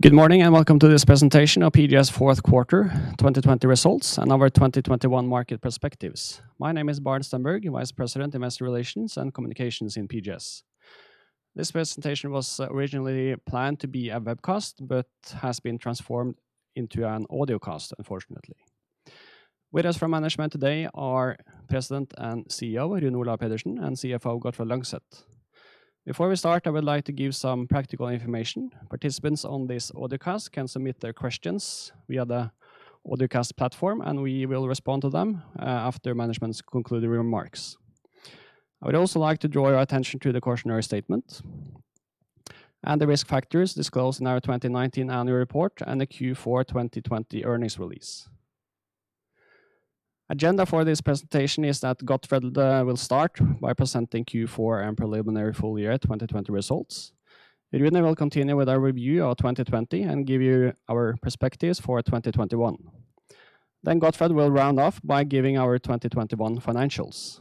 Good morning, and welcome to this presentation of PGS's Q4 2020 results and our 2021 market perspectives. My name is Bård Stenberg, Vice President, Investor Relations and Communications in PGS. This presentation was originally planned to be a webcast but has been transformed into an audio cast, unfortunately. With us from management today are President and CEO Rune Olav Pedersen and CFO Gottfred Langseth. Before we start, I would like to give some practical information. Participants on this audio cast can submit their questions via the audio cast platform, and we will respond to them after management's concluding remarks. I would also like to draw your attention to the cautionary statement. And the risk factors disclosed in our 2019 annual report and the Q4 2020 earnings release. Agenda for this presentation is that Gottfred will start by presenting Q4 and preliminary full year 2020 results. Rune will continue with our review of 2020 and give you our perspectives for 2021. Gottfred will round off by giving our 2021 financials.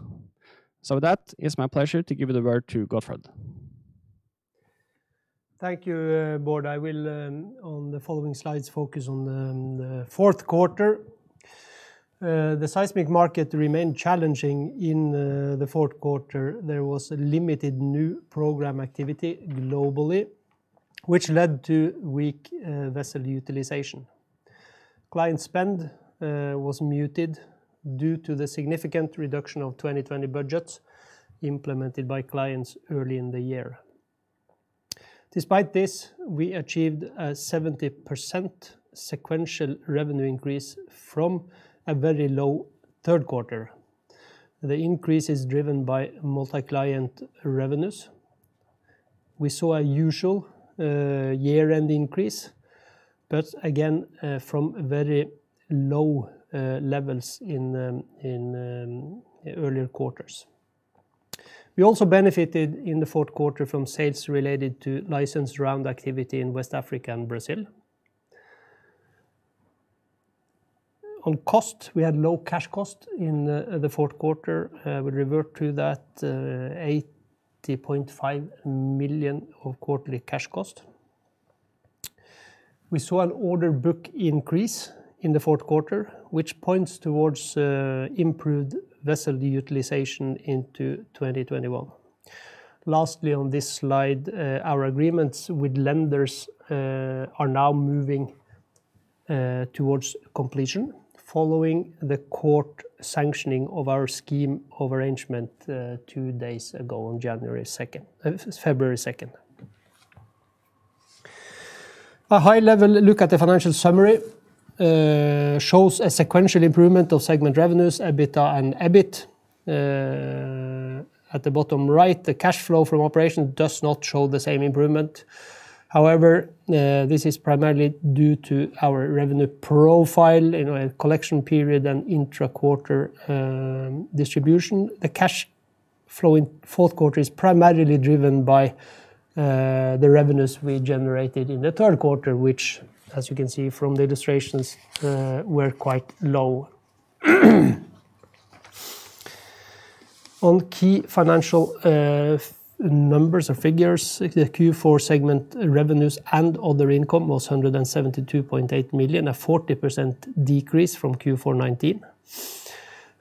With that, it's my pleasure to give the word to Gottfred. Thank you, Bård. I will, on the following slides, focus on the Q4. The seismic market remained challenging in the Q4 there was limited new program activity globally, which led to weak vessel utilization. Client spend was muted due to the significant reduction of 2020 budgets implemented by clients early in the year. Despite this, we achieved a 70% sequential revenue increase from a very low Q3. The increase is driven by multi-client revenues. We saw a usual year-end increase, again, from very low levels in earlier quarters. We also benefited in the Q4 from sales related to license round activity in West Africa and Brazil. On cost, we had low cash cost in the Q4. We'll revert to that $80.5 million of quarterly cash cost. We saw an order book increase in the Q4, which points towards improved vessel utilization into 2021. Lastly, on this slide, our agreements with lenders are now moving towards completion following the court sanctioning of our scheme of arrangement two days ago on 2 February. A high-level look at the financial summary shows a sequential improvement of segment revenues, EBITDA, and EBITDA, at the bottom right, the cash flow from operation does not show the same improvement. This is primarily due to our revenue profile in a collection period and intra-quarter distribution the cash flow in Q4 is primarily driven by the revenues we generated in the Q3, which, as you can see from the illustrations, were quite low. On key financial numbers or figures, the Q4 segment revenues and other income was $172.8 million, a 40% decrease from Q4 2019.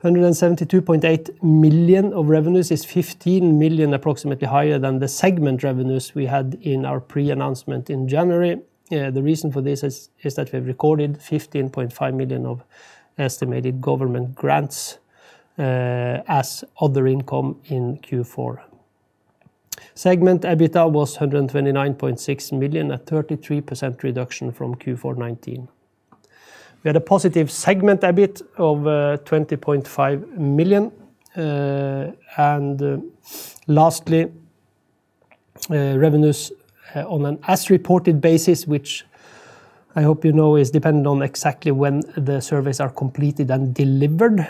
$172.8 million of revenues is $15 million approximately higher than the segment revenues we had in our pre-announcement in January and the reason for this is that we have recorded $15.5 million of estimated government grants as other income in Q4. Segment EBITDA was $129.6 million, a 33% reduction from Q4 2019. We had a positive segment EBITDA of $20.5 million. Lastly, revenues on an as reported basis, which I hope you know is dependent on exactly when the surveys are completed and delivered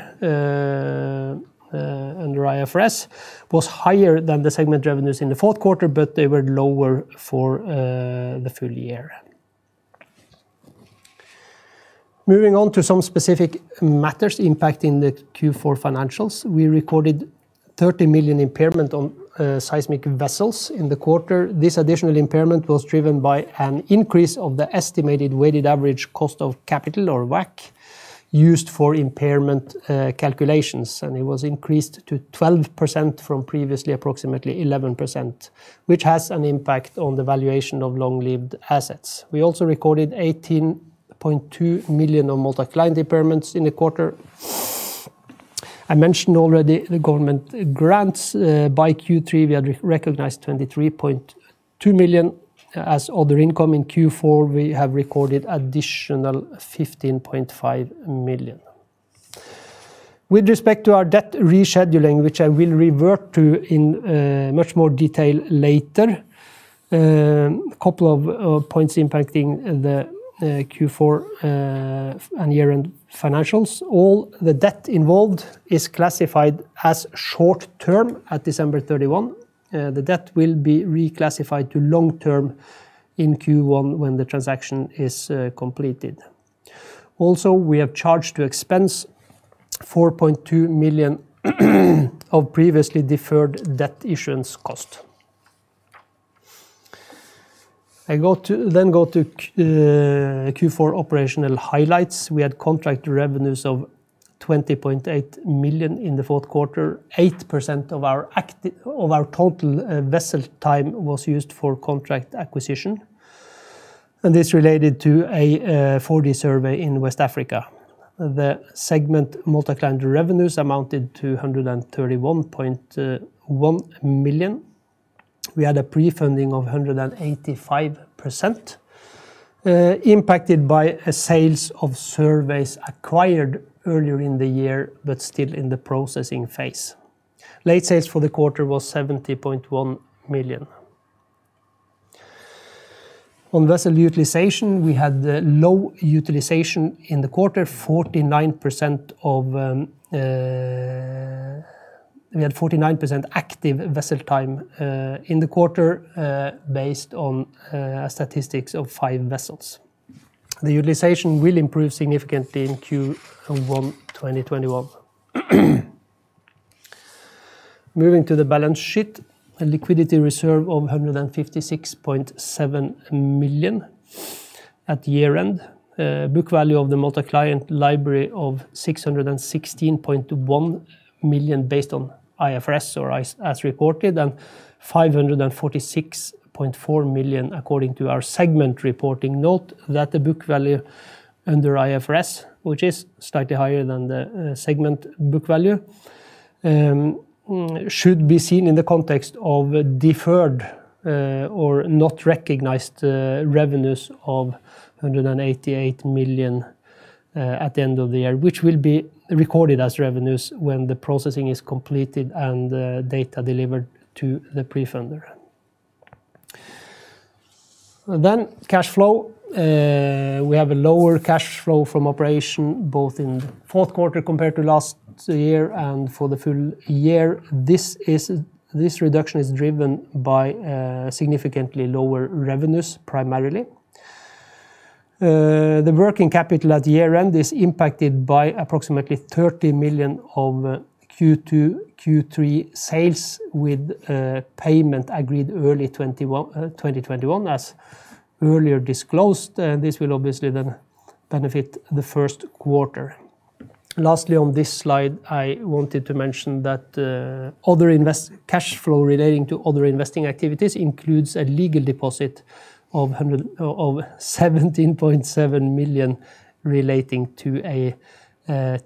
under IFRS, was higher than the segment revenues in the Q4, but they were lower for the full year. Moving on to some specific matters impacting the Q4 financials we recorded $30 million impairment on seismic vessels in the quarter. This additional impairment was driven by an increase of the estimated weighted average cost of capital, or WACC, used for impairment calculations, and it was increased to 12% from previously approximately 11%, which has an impact on the valuation of long-lived assets, we recorded $18.2 million of multi-client impairments in the quarter. I mentioned already the government grants, by Q2 we had recognized $23.2 million. As other income in Q4, we have recorded additional $15.5 million. With respect to our debt rescheduling, which I will revert to in much more detail later, a couple of points impacting the Q4 and year-end financials all the debt involved is classified as short term at 31 December. The debt will be reclassified to long term in Q1 when the transaction is completed. We have charged to expense $4.2 million of previously deferred debt issuance cost. I go to Q4 operational highlights. We had contract revenues of $20.8 million in the Q4. 8% of our total vessel time was used for contract acquisition, and this related to a 4D survey in West Africa. The segment multi-client revenues amounted to $131.1 million. We had a prefunding of 185%, impacted by sales of surveys acquired earlier in the year, but still in the processing phase. Late sales for the quarter were $70.1 million. On vessel utilization, we had low utilization in the quarter, we had 49% active vessel time in the quarter based on statistics of five vessels. The utilization will improve significantly in Q1 2021. Moving to the balance sheet. A liquidity reserve of $156.7 million at year-end. Book value of the multi-client library of $616.1 million, based on IFRS or as reported, and $546.4 million, according to our segment reporting note that the book value under IFRS, which is slightly higher than the segment book value, should be seen in the context of deferred or not recognized revenues of $188 million at the end of the year, which will be recorded as revenues when the processing is completed and data delivered to the prefunder. Cash flow. We have a lower cash flow from operation, both in the Q4 compared to last year and for the full year this reduction is driven by significantly lower revenues, primarily. The working capital at year-end is impacted by approximately $30 million of Q2/Q3 sales with payment agreed early 2021 as earlier disclosed, this will obviously then benefit the Q1. Lastly, on this slide, I wanted to mention that other cash flow relating to other investing activities includes a legal deposit of $17.7 million relating to a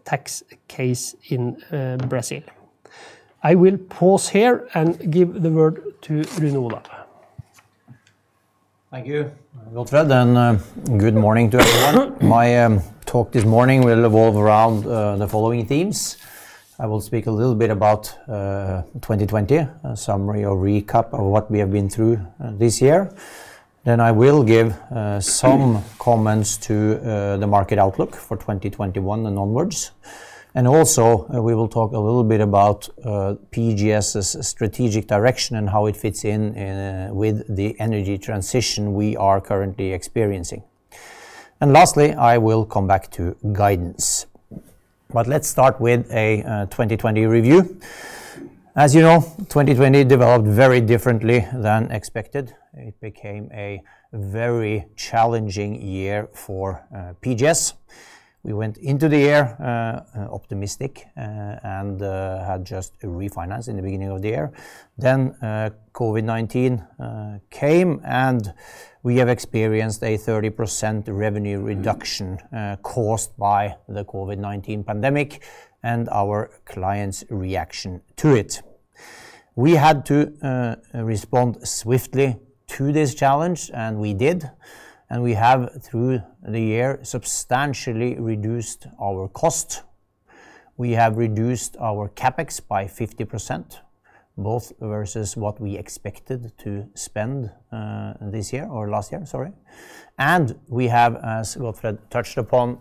tax case in Brazil. I will pause here and give the word to Rune Olav. Thank you, Gottfred. Good morning to everyone. My talk this morning will revolve around the following themes. I will speak a little bit about 2020, a summary or recap of what we have been through this year. I will give some comments to the market outlook for 2021 and onwards. Also, we will talk a little bit about PGS' strategic direction and how it fits in with the energy transition we are currently experiencing. Lastly, I will come back to guidance. Let's start with a 2020 review. As you know, 2020 developed very differently than expected. It became a very challenging year for PGS. We went into the year optimistic and had just refinanced in the beginning of the year. COVID-19 came, and we have experienced a 30% revenue reduction caused by the COVID-19 pandemic and our clients' reaction to it. We had to respond swiftly to this challenge, we did, and we have through the year substantially reduced our cost. We have reduced our CapEx by 50%, both versus what we expected to spend last year. And, we have, as Gottfred touched upon,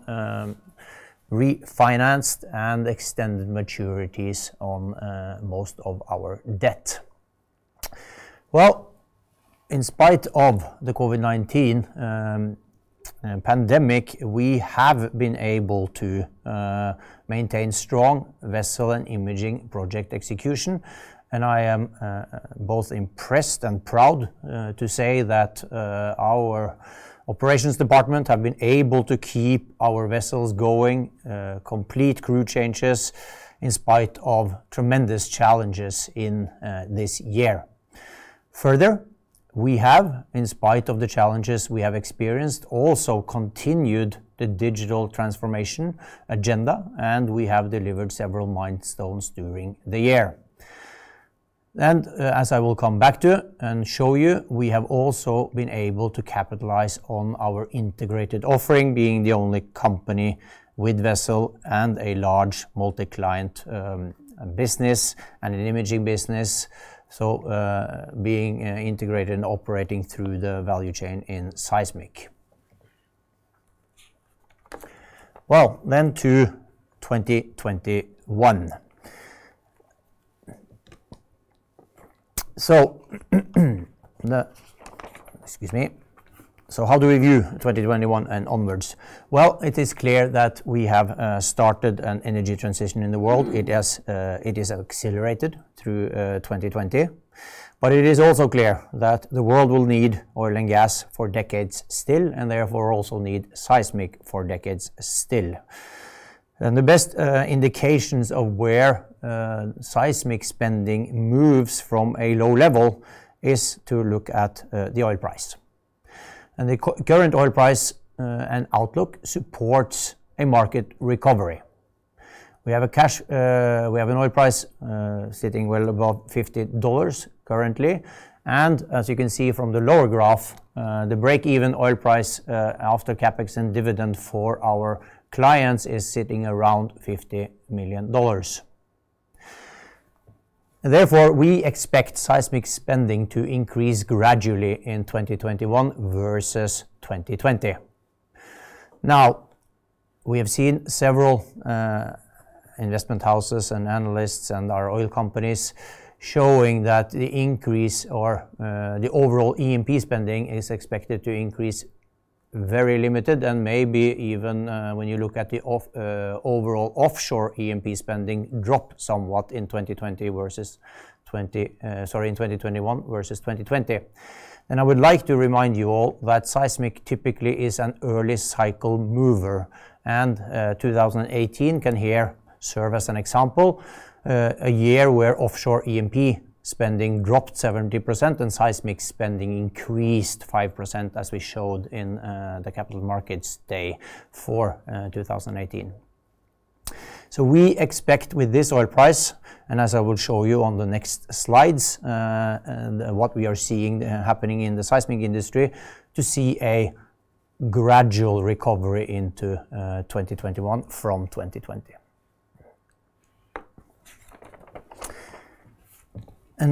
refinanced and extended maturities on most of our debt. Well, in spite of the COVID-19 pandemic, we have been able to maintain strong vessel and imaging project execution, and I am both impressed and proud to say that our operations department have been able to keep our vessels going, complete crew changes, in spite of tremendous challenges in this year. Further, we have, in spite of the challenges we have experienced, also continued the digital transformation agenda, and we have delivered several milestones during the year. As I will come back to and show you, we have also been able to capitalize on our integrated offering, being the only company with vessel and a large multi-client business and an imaging business, being integrated and operating through the value chain in seismic. To 2021. Excuse me. How do we view 2021 and onwards? It is clear that we have started an energy transition in the world it has accelerated through 2020. It is also clear that the world will need oil and gas for decades still, and therefore also need seismic for decades still. The best indications of where seismic spending moves from a low level is to look at the oil price. The current oil price and outlook supports a market recovery. We have an oil price sitting well above $50 currently. As you can see from the lower graph, the break-even oil price after CapEx and dividend for our clients is sitting around $50 million. We expect seismic spending to increase gradually in 2021 versus 2020. Now, we have seen several investment houses and analysts and our oil companies showing that the increase or the overall E&P spending is expected to increase very limited and maybe even when you look at the overall offshore E&P spending drop somewhat in 2021 versus 2020. I would like to remind you all that seismic typically is an early cycle mover, 2018 can here serve as an example, a year where offshore E&P spending dropped 70% and seismic spending increased 5%, as we showed in the Capital Markets Day for 2018. We expect with this oil price, and as I will show you on the next slides what we are seeing happening in the seismic industry, to see a gradual recovery into 2021 from 2020.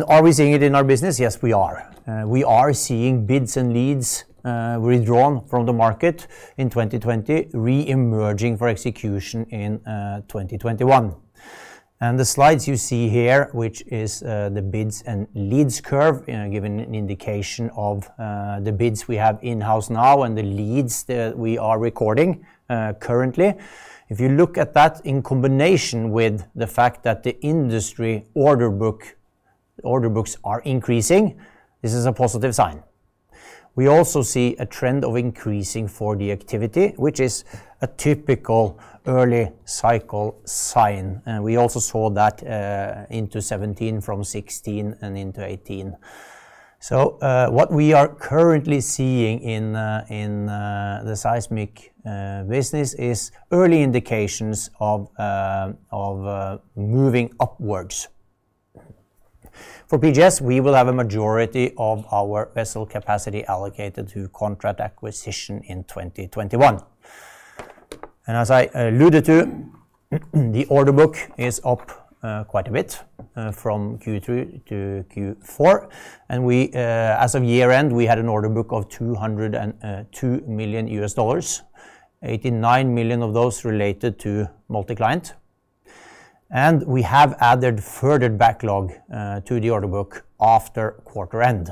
Are we seeing it in our business? Yes, we are. We are seeing bids and leads withdrawn from the market in 2020 re-emerging for execution in 2021. The slides you see here, which is the bids and leads curve, giving an indication of the bids we have in-house now and the leads that we are recording currently. If you look at that in combination with the fact that the industry order books are increasing, this is a positive sign. We also see a trend of increasing 4D activity, which is a typical early cycle sign, and we also saw that into 2017 from 2016 and into 2018. What we are currently seeing in the seismic business is early indications of moving upwards. For PGS, we will have a majority of our vessel capacity allocated to contract acquisition in 2021. As I alluded to, the order book is up quite a bit from Q3 to Q4, and as of year-end, we had an order book of $202 million, $89 million of those related to multi-client. We have added further backlog to the order book after quarter end.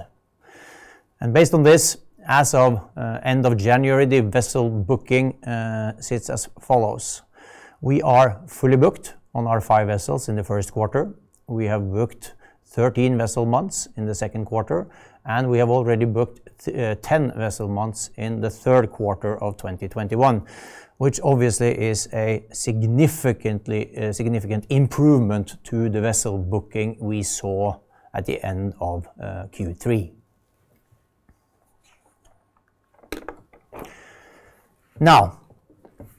Based on this, as of end of January, the vessel booking sits as follows. We are fully booked on our five vessels in the Q1. We have booked 13 vessel months in the Q2. We have already booked 10 vessel months in the Q3 of 2021, which obviously is a significant improvement to the vessel booking we saw at the end of Q3.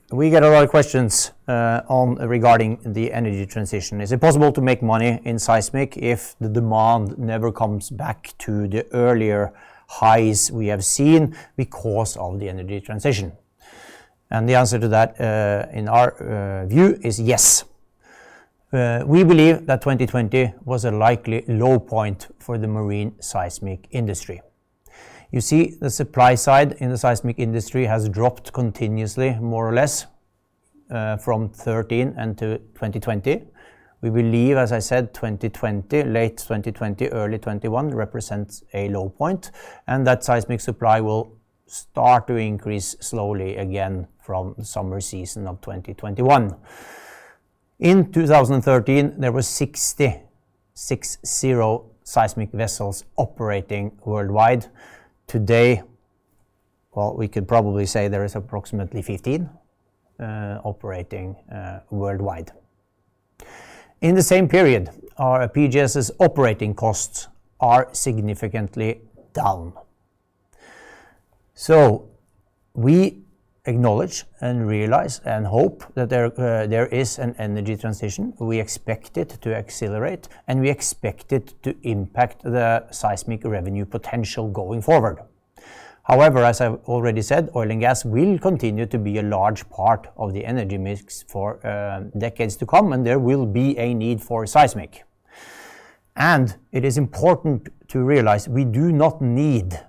We get a lot of questions regarding the energy transition is it possible to make money in seismic if the demand never comes back to the earlier highs we have seen because of the energy transition? The answer to that, in our view, is yes. We believe that 2020 was a likely low point for the marine seismic industry. The supply side in the seismic industry has dropped continuously, more or less, from 2013 until 2020. We believe, as I said, 2020, late 2020, early 2021 represents a low point. Seismic supply will start to increase slowly again from summer season of 2021. In 2013, there were 60 seismic vessels operating worldwide. Today, well, we could probably say there is approximately 15 operating worldwide. In the same period, our PGS' operating costs are significantly down. We acknowledge and realize and hope that there is an energy transition we expect it to accelerate, and we expect it to impact the seismic revenue potential going forward. However, as I've already said, oil and gas will continue to be a large part of the energy mix for decades to come, and there will be a need for seismic. It is important to realize we do not need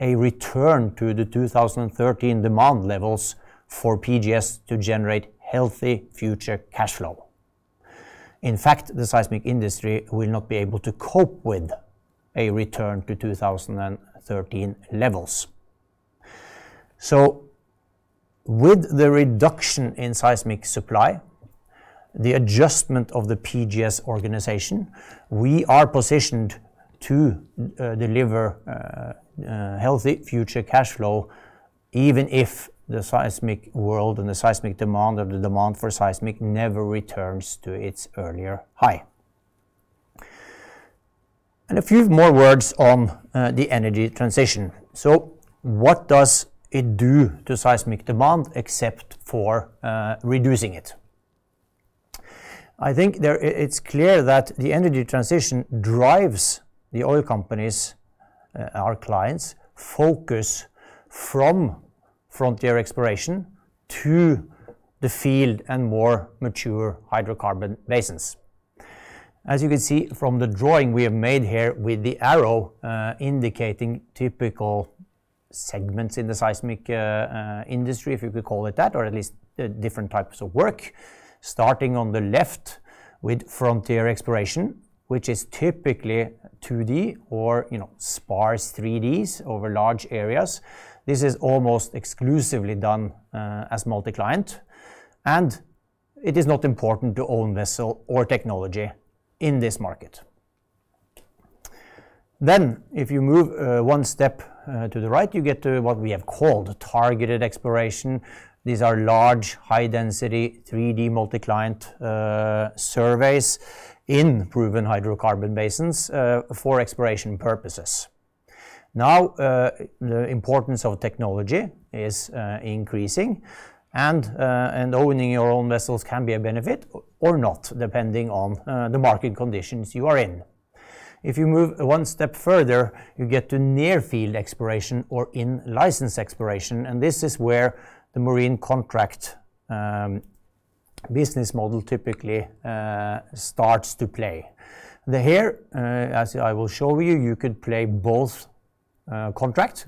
a return to the 2013 demand levels for PGS to generate healthy future cash flow. In fact, the seismic industry will not be able to cope with a return to 2013 levels. With the reduction in seismic supply, the adjustment of the PGS organization, we are positioned to deliver healthy future cash flow even if the seismic world and the seismic demand or the demand for seismic never returns to its earlier high. A few more words on the energy transition. What does it do to seismic demand except for reducing it? I think it's clear that the energy transition drives the oil companies', our clients', focus from frontier exploration to the field and more mature hydrocarbon basins. As you can see from the drawing we have made here with the arrow indicating typical segments in the seismic industry, if you could call it that, or at least different types of work, starting on the left with frontier exploration, which is typically 2D or sparse 3Ds over large areas. This is almost exclusively done as multi-client, and it is not important to own vessel or technology in this market. If you move one step to the right, you get to what we have called targeted exploration. These are large, high-density 3D multi-client surveys in proven hydrocarbon basins for exploration purposes. Now the importance of technology is increasing and owning your own vessels can be a benefit or not, depending on the market conditions you are in. If you move one step further, you get to near field exploration or in-license exploration, and this is where the marine contract business model typically starts to play. Here, as I will show you could play both contract,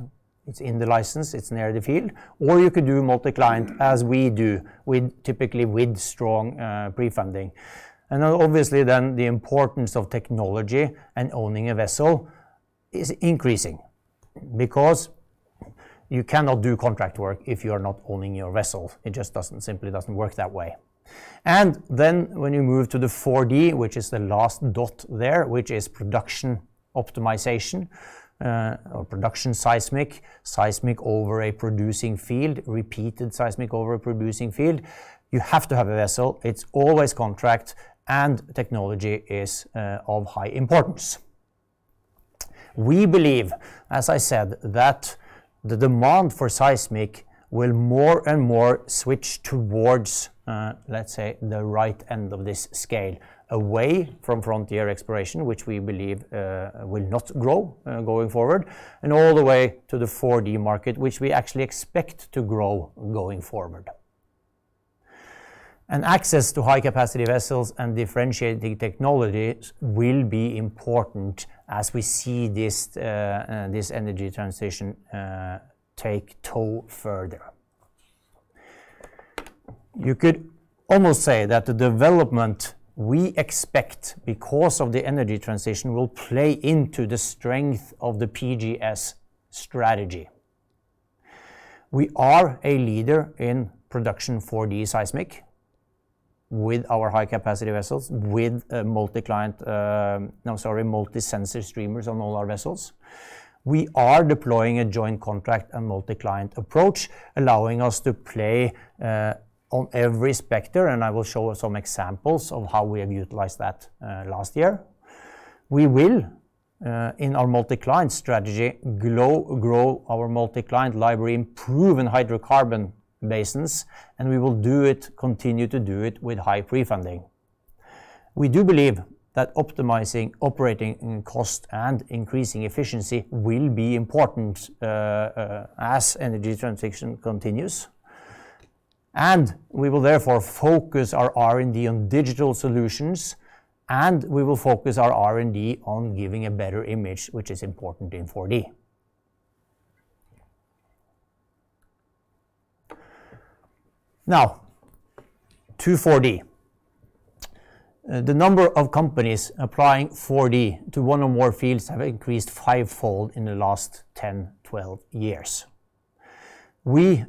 it's in the license, it's near the field, or you could do multi-client as we do, typically with strong pre-funding. Obviously then the importance of technology and owning a vessel is increasing because you cannot do contract work if you are not owning your vessel it just simply doesn't work that way. When you move to the 4D, which is the last dot there, which is production optimization or production seismic over a producing field, repeated seismic over a producing field, you have to have a vessel it's always contract and technology is of high importance. We believe, as I said, that the demand for seismic will more and more switch towards, let's say, the right end of this scale, away from frontier exploration, which we believe will not grow going forward, and all the way to the 4D market, which we actually expect to grow going forward. Access to high capacity vessels and differentiating technologies will be important as we see this energy transition take tow further. You could almost say that the development we expect because of the energy transition will play into the strength of the PGS strategy. We are a leader in production 4D seismic with our high capacity vessels with multi-sensor streamers on all our vessels. We are deploying a joint contract and multi-client approach, allowing us to play on every spectrum, and I will show some examples of how we have utilized that last year. We will, in our multi-client strategy, grow our multi-client library, improve in hydrocarbon basins, and we will continue to do it with high pre-funding. We do believe that optimizing operating cost and increasing efficiency will be important as energy transition continues. We will therefore focus our R&D on digital solutions, and we will focus our R&D on giving a better image, which is important in 4D. Now, to 4D, the number of companies applying 4D to one or more fields have increased fivefold in the last 10, 12 years. We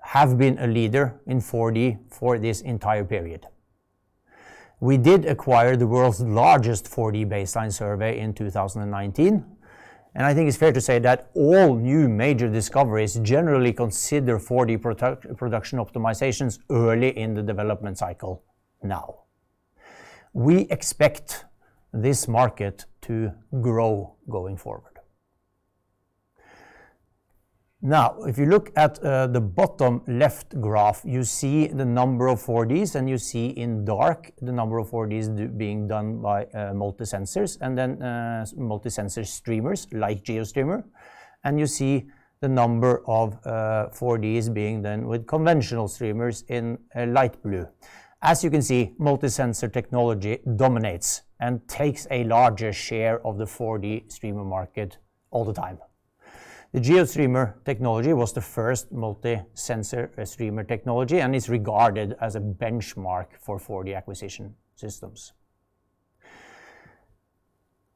have been a leader in 4D for this entire period. We did acquire the world's largest 4D baseline survey in 2019, and I think it's fair to say that all new major discoveries generally consider 4D production optimizations early in the development cycle now. We expect this market to grow going forward. Now, if you look at the bottom left graph, you see the number of 4Ds and you see in dark the number of 4Ds being done by multi-sensor streamers like GeoStreamer. You see the number of 4Ds being done with conventional streamers in light blue. As you can see, multi-sensor technology dominates and takes a larger share of the 4D streamer market all the time. The GeoStreamer technology was the first multi-sensor streamer technology and is regarded as a benchmark for 4D acquisition systems.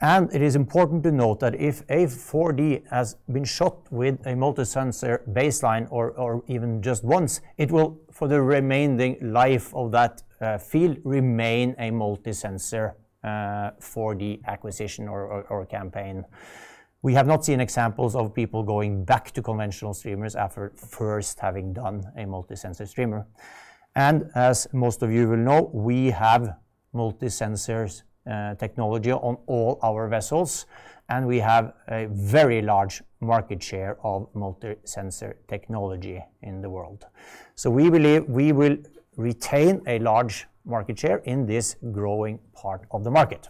It is important to note that if a 4D has been shot with a multi-sensor baseline or even just once, it will, for the remaining life of that field, remain a multi-sensor 4D acquisition or campaign. We have not seen examples of people going back to conventional streamers after first having done a multi-sensor streamer. As most of you will know, we have multi-sensor technology on all our vessels, and we have a very large market share of multi-sensor technology in the world. We believe we will retain a large market share in this growing part of the market.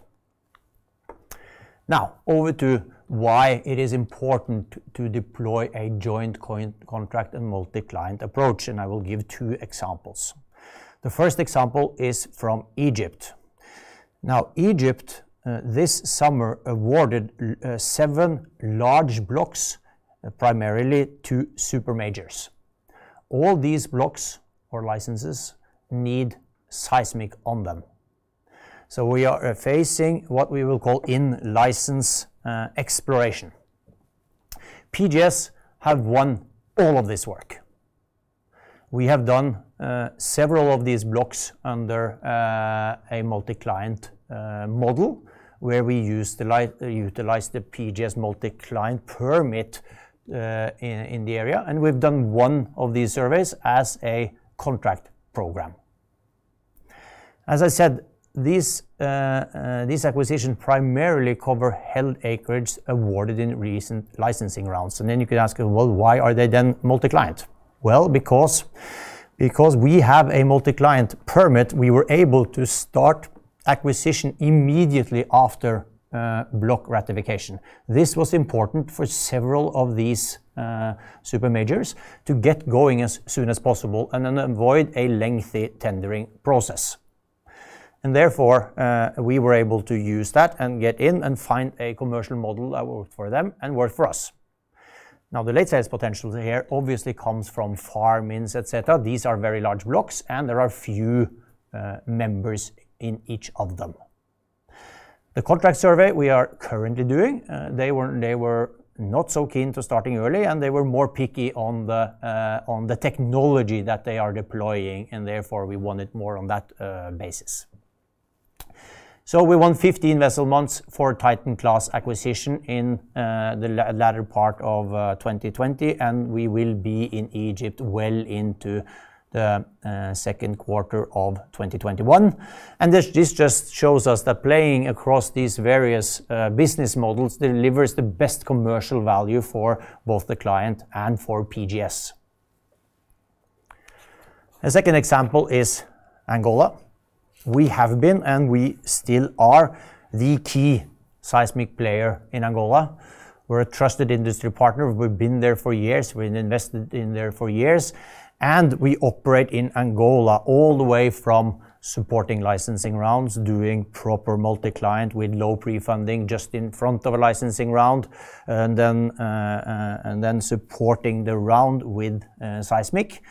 Over to why it is important to deploy a joint contract and multi-client approach, and I will give two examples. The first example is from Egypt. Egypt, this summer, awarded seven large blocks, primarily to super majors. All these blocks or licenses need seismic on them. We are facing what we will call in-license exploration. PGS have won all of this work. We have done several of these blocks under a multi-client model where we utilize the PGS multi-client permit in the area, and we've done one of these surveys as a contract program. As I said, these acquisition primarily cover held acreage awarded in recent licensing rounds maybe you could ask, "Why are they then multi-client?" Because we have a multi-client permit, we were able to start acquisition immediately after block ratification. This was important for several of these supermajors to get going as soon as possible and then avoid a lengthy tendering process. Therefore, we were able to use that and get in and find a commercial model that worked for them and worked for us. Now the late sales potential here obviously comes from farm-ins, et cetera these are very large blocks, and there are few members in each of them. The contract survey we are currently doing, they were not so keen to starting early, and they were more picky on the technology that they are deploying, and therefore we wanted more on that basis. We won 15 vessel months for Titan class acquisition in the latter part of 2020, and we will be in Egypt well into the Q2 of 2021. This just shows us that playing across these various business models delivers the best commercial value for both the client and for PGS. A second example is Angola. We have been, and we still are, the key seismic player in Angola. We are a trusted industry partner we have been there for years, we have invested in there for years, and we operate in Angola all the way from supporting licensing rounds, doing proper multi-client with low pre-funding just in front of a licensing round, and then supporting the round with seismic.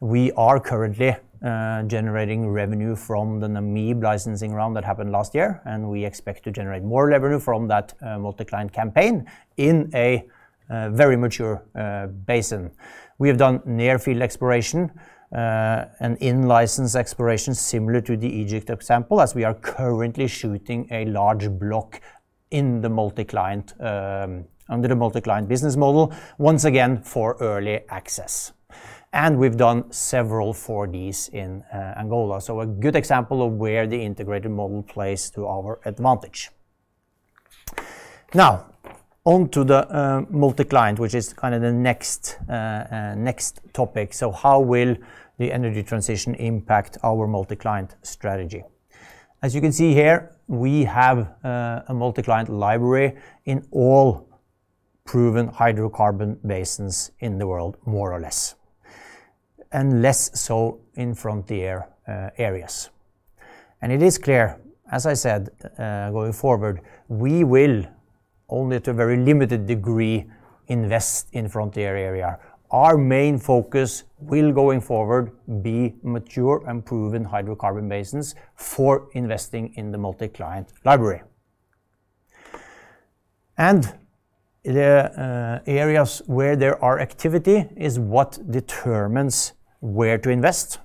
We are currently generating revenue from the Namibe Licensing Round that happened last year, and we expect to generate more revenue from that multi-client campaign in a very mature basin. We have done near field exploration, and in-license exploration similar to the Egypt example as we are currently shooting a large block under the multi-client business model, once again for early access. We've done several 4Ds in Angola a good example of where the integrated model plays to our advantage. Now, onto the multi-client, which is the next topic so how will the energy transition impact our multi-client strategy? As you can see here, we have a multi-client library in all proven hydrocarbon basins in the world, more or less, and less so in frontier areas. It is clear, as I said, going forward, we will only at a very limited degree invest in frontier area. Our main focus will, going forward, be mature and proven hydrocarbon basins for investing in the multi-client library. The areas where there are activity is what determines where to invest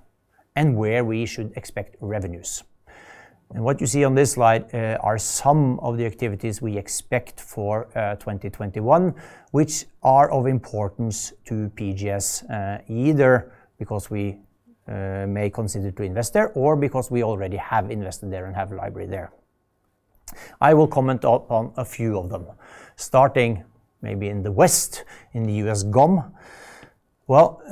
and where we should expect revenues. What you see on this slide are some of the activities we expect for 2021, which are of importance to PGS either because we may consider to invest there or because we already have invested there and have a library there. I will comment on a few of them. Starting maybe in the West, in the US GOM. Well,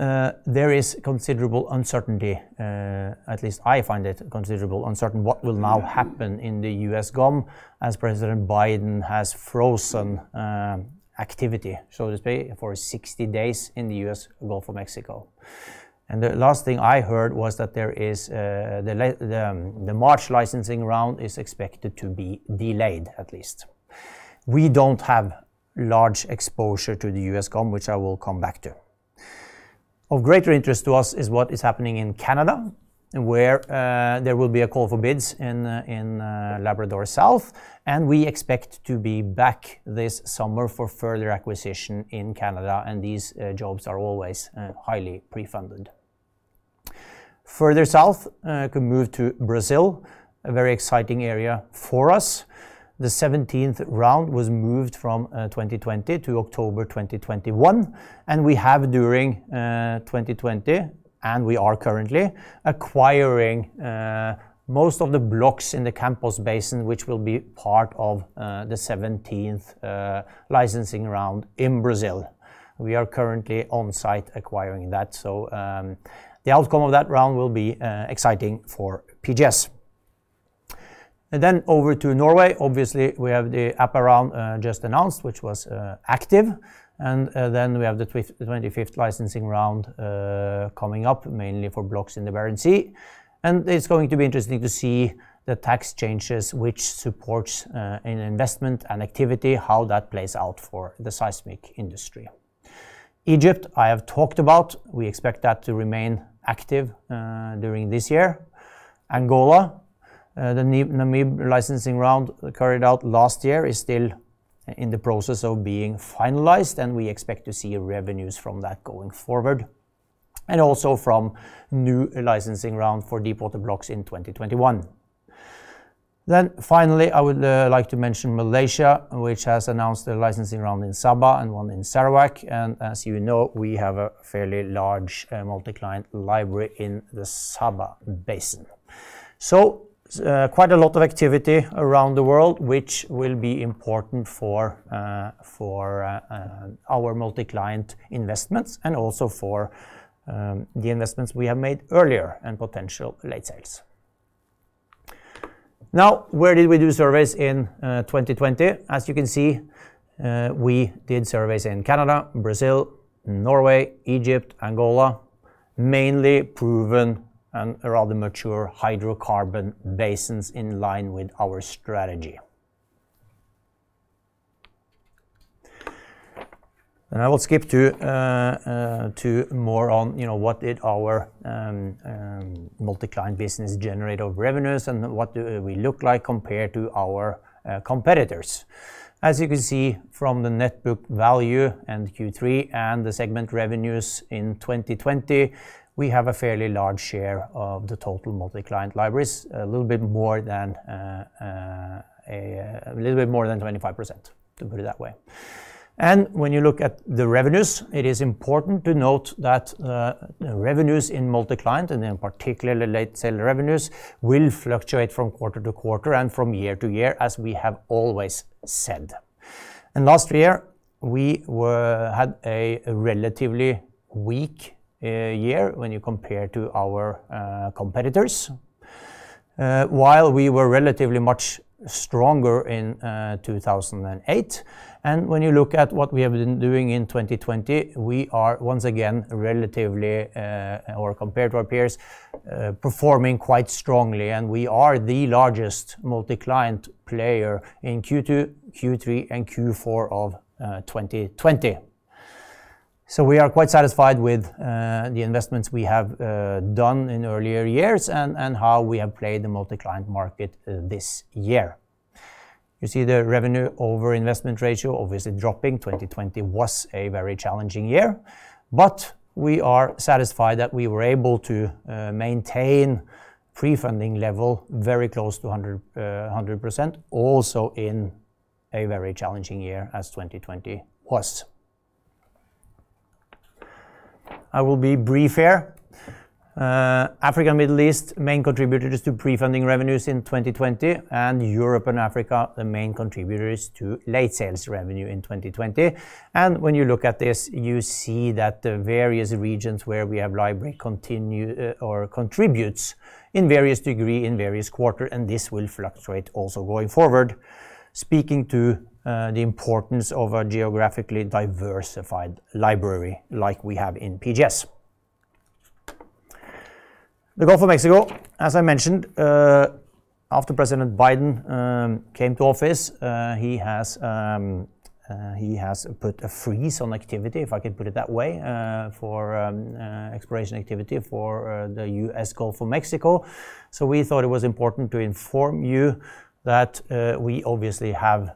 there is considerable uncertainty, at least I find it considerable uncertain what will now happen in the US GOM as President Biden has frozen activity, so to speak, for 60 days in the US Gulf of Mexico. The last thing I heard was that the March licensing round is expected to be delayed, at least. We don't have large exposure to the US GOM, which I will come back to. Of greater interest to us is what is happening in Canada, where there will be a call for bids in Labrador South, and we expect to be back this summer for further acquisition in Canada, and these jobs are always highly pre-funded. Further south, we can move to Brazil, a very exciting area for us. The 17th round was moved from 2020 to October 2021, and we have during 2020, and we are currently acquiring most of the blocks in the Campos Basin, which will be part of the 17th licensing round in Brazil. We are currently on site acquiring that so, the outcome of that round will be exciting for PGS. Then over to Norway, obviously, we have the APA round just announced, which was active, and then we have the 25th licensing round coming up mainly for blocks in the Barents Sea. It's going to be interesting to see the tax changes which supports an investment and activity, how that plays out for the seismic industry. Egypt, I have talked about, we expect that to remain active during this year. Angola, the Namibia licensing round carried out last year is still in the process of being finalized and we expect to see revenues from that going forward. And also from new licensing round for deepwater blocks in 2021. Finally, I would like to mention Malaysia, which has announced a licensing round in Sabah and one in Sarawak and as you know, we have a fairly large multi-client library in the Sabah Basin. Quite a lot of activity around the world, which will be important for our multi-client investments, also for the investments we have made earlier and potential late sales. Now, where did we do surveys in 2020? As you can see, we did surveys in Canada, Brazil, Norway, Egypt, Angola, mainly proven and rather mature hydrocarbon basins in line with our strategy. I will skip to more on what did our multi-client business generate of revenues and what do we look like compared to our competitors. As you can see from the net book value and Q3 and the segment revenues in 2020, we have a fairly large share of the total multi-client libraries. A little bit more than 25%, to put it that way. When you look at the revenues, it is important to note that revenues in multi-client, and in particularly late sale revenues, will fluctuate from quarter-to-quarter and from year to year, as we have always said. Last year, we had a relatively weak year when you compare to our competitors while we were relatively much stronger in 2008. When you look at what we have been doing in 2020, we are once again relatively, or compared to our peers, performing quite strongly and we are the largest multi-client player in Q2, Q3, and Q4 of 2020. We are quite satisfied with the investments we have done in earlier years and how we have played the multi-client market this year. You see the revenue over investment ratio obviously dropping 2020 was a very challenging year, but we are satisfied that we were able to maintain prefunding level very close to 100%, also in a very challenging year as 2020 was. I will be brief here. Africa and Middle East, main contributors to prefunding revenues in 2020, and Europe and Africa, the main contributors to late sales revenue in 2020. When you look at this, you see that the various regions where we have library contributes in various degree in various quarter, and this will fluctuate also going forward, speaking to the importance of a geographically diversified library like we have in PGS. The Gulf of Mexico, as I mentioned, after President Biden came to office, he has put a freeze on activity, if I can put it that way, for exploration activity for the U.S. Gulf of Mexico. We thought it was important to inform you that we obviously have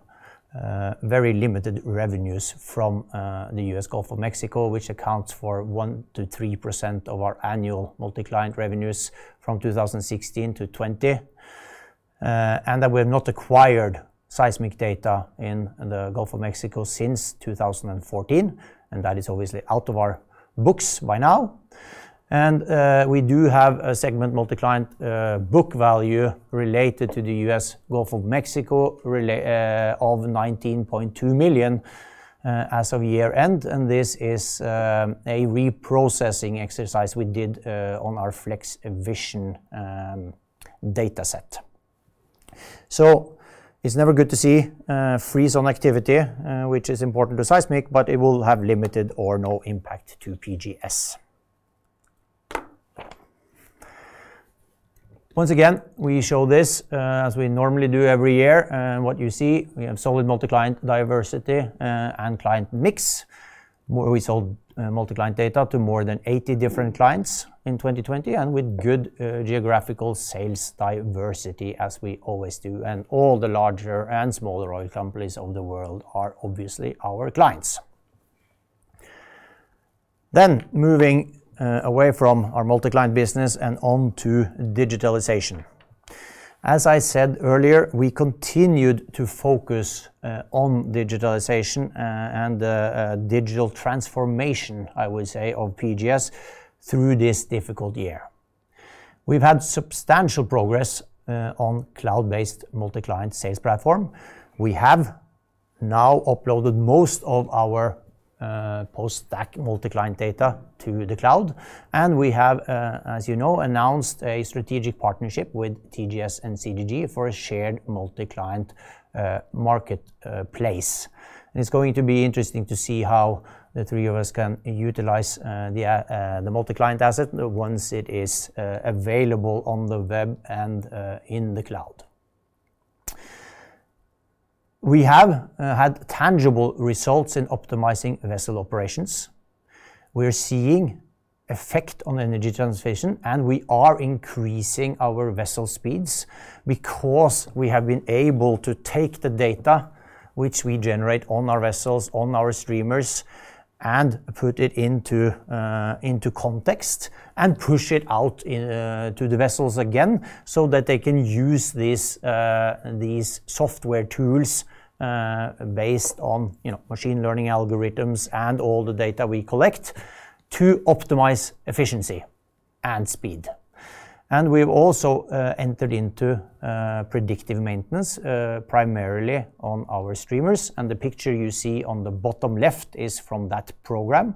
very limited revenues from the U.S. Gulf of Mexico, which accounts for 1%-3% of our annual multi-client revenues from 2016 to 2020, and that we have not acquired seismic data in the Gulf of Mexico since 2014, and that is obviously out of our books by now. We do have a segment multi-client book value related to the US Gulf of Mexico of $19.2 million as of year-end, this is a reprocessing exercise we did on our Flex Vision dataset. It's never good to see freeze on activity, which is important to seismic, but it will have limited or no impact to PGS. Once again, we show this as we normally do every year. What you see, we have solid multi-client diversity and client mix, where we sold multi-client data to more than 80 different clients in 2020 with good geographical sales diversity as we always do and all the larger and smaller oil companies of the world are obviously our clients. Moving away from our multi-client business and on to digitalization. As I said earlier, we continued to focus on digitalization and digital transformation, I would say, of PGS through this difficult year. We've had substantial progress on cloud-based multi-client sales platform. We have now uploaded most of our post-stack multi-client data to the Cloud, and we have, as you know, announced a strategic partnership with TGS and CGG for a shared multi-client marketplace. It's going to be interesting to see how the three of us can utilize the multi-client asset once it is available on the web and in the Cloud. We have had tangible results in optimizing vessel operations. We are seeing effect on energy transition, we are increasing our vessel speeds because we have been able to take the data which we generate on our vessels, on our streamers, and put it into context and push it out to the vessels again so that they can use these software tools based on machine learning algorithms and all the data we collect to optimize efficiency and speed. We've also entered into predictive maintenance primarily on our streamers. The picture you see on the bottom left is from that program,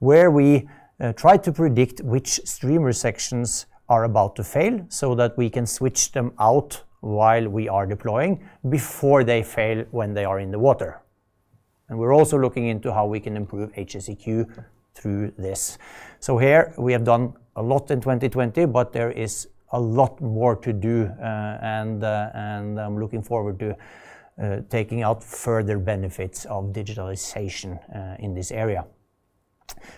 where we try to predict which streamer sections are about to fail so that we can switch them out while we are deploying before they fail when they are in the water. We're also looking into how we can improve HSEQ through this. Here we have done a lot in 2020, but there is a lot more to do and I'm looking forward to taking out further benefits of digitalization in this area.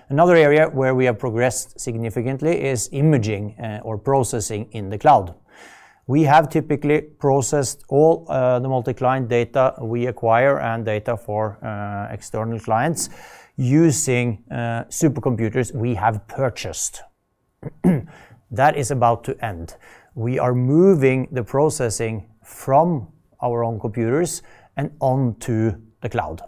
Another area where we have progressed significantly is imaging or processing in the Cloud. We have typically processed all the multi-client data we acquire and data for external clients using supercomputers we have purchased. That is about to end. We are moving the processing from our own computers and onto the Cloud,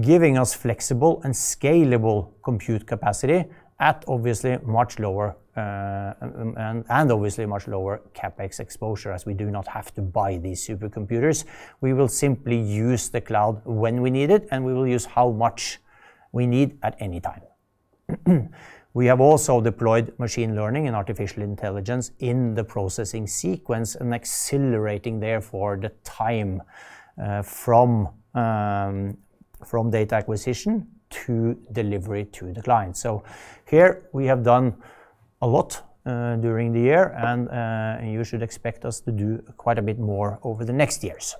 giving us flexible and scalable compute capacity and obviously much lower CapEx exposure as we do not have to buy these supercomputers. We will simply use the Cloud when we need it, and we will use how much we need at any time. We have also deployed machine learning and artificial intelligence in the processing sequence and accelerating therefore the time from data acquisition to delivery to the client. Here we have done a lot during the year, and you should expect us to do quite a bit more over the next years.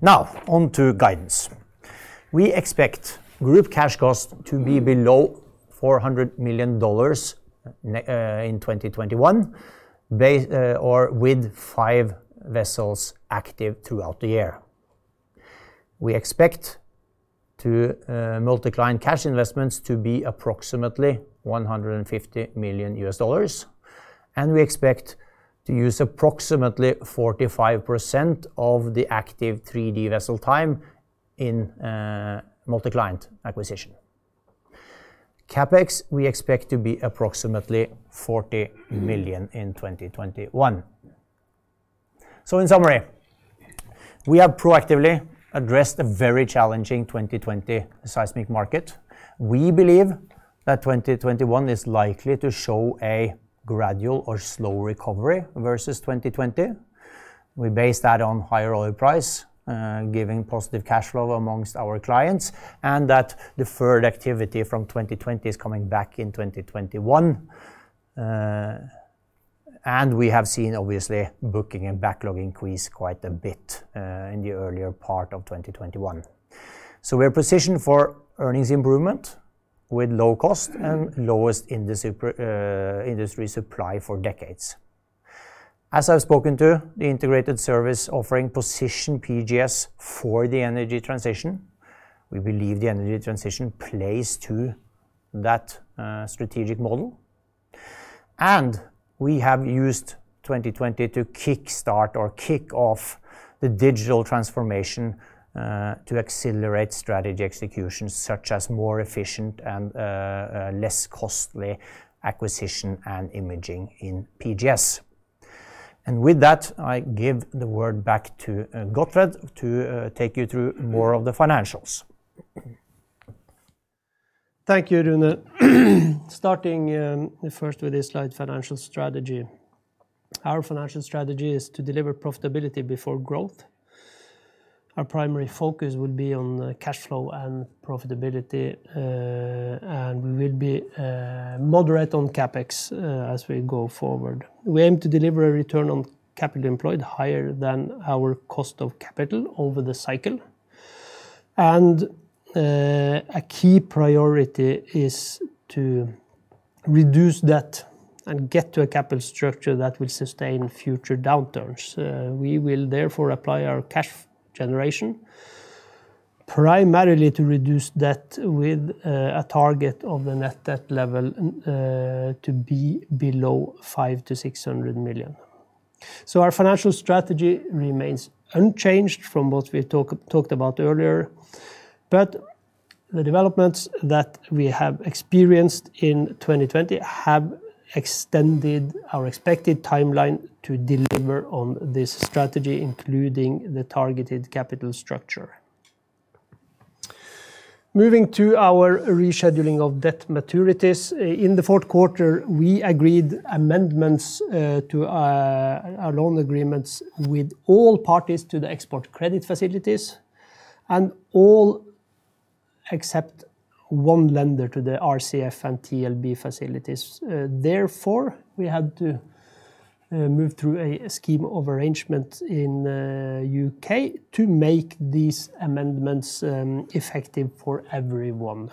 Now on to guidance. We expect group cash costs to be below $400 million in 2021, or with five vessels active throughout the year. We expect multi-client cash investments to be approximately $150 million, and we expect to use approximately 45% of the active 3D vessel time in multi-client acquisition. CapEx we expect to be approximately $40 million in 2021. In summary, we have proactively addressed the very challenging 2020 seismic market. We believe that 2021 is likely to show a gradual or slow recovery versus 2020. We base that on higher oil price, giving positive cash flow amongst our clients, and that deferred activity from 2020 is coming back in 2021. We have seen obviously booking and backlog increase quite a bit in the earlier part of 2021. We are positioned for earnings improvement with low cost and lowest industry supply for decades. As I've spoken to the integrated service offering position PGS for the energy transition, we believe the energy transition plays to that strategic model. We have used 2020 to kick start or kick off the digital transformation to accelerate strategy execution, such as more efficient and less costly acquisition and imaging in PGS. With that, I give the word back to Gottfred to take you through more of the financials. Thank you, Rune. Starting first with this slide, financial strategy. Our financial strategy is to deliver profitability before growth. Our primary focus will be on cash flow and profitability, and we will be moderate on CapEx as we go forward, we aim to deliver a return on capital employed higher than our cost of capital over the cycle. A key priority is to reduce debt and get to a capital structure that will sustain future downturns we will therefore apply our cash generation primarily to reduce debt with a target of the net debt level to be below $500 million-$600 million. Our financial strategy remains unchanged from what we talked about earlier, but the developments that we have experienced in 2020 have extended our expected timeline to deliver on this strategy, including the targeted capital structure. Moving to our rescheduling of debt maturities. In the Q4, we agreed amendments to our loan agreements with all parties to the export credit facilities, and all except one lender to the RCF and TLB facilities therefore, we had to move through a scheme of arrangement in U.K. to make these amendments effective for everyone.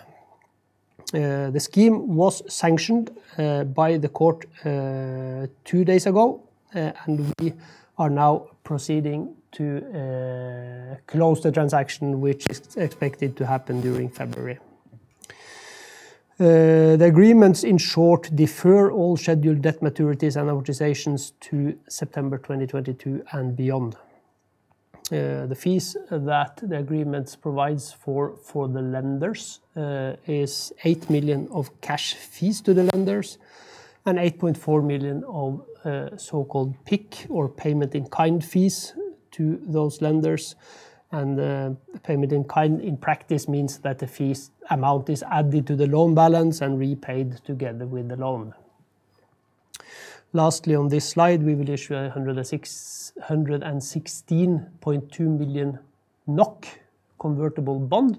The scheme was sanctioned by the court two days ago, and we are now proceeding to close the transaction, which is expected to happen during February. The agreements, in short, defer all scheduled debt maturities and amortizations to September 2022 and beyond. The fees that the agreements provides for the lenders is $8 million of cash fees to the lenders and $8.4 million of so-called PIK, or payment-in-kind fees, to those lenders. And the payment in kind in practice means that the fees amount is added to the loan balance and repaid together with the loan. Lastly, on this slide, we will issue 116.2 million NOK convertible bond.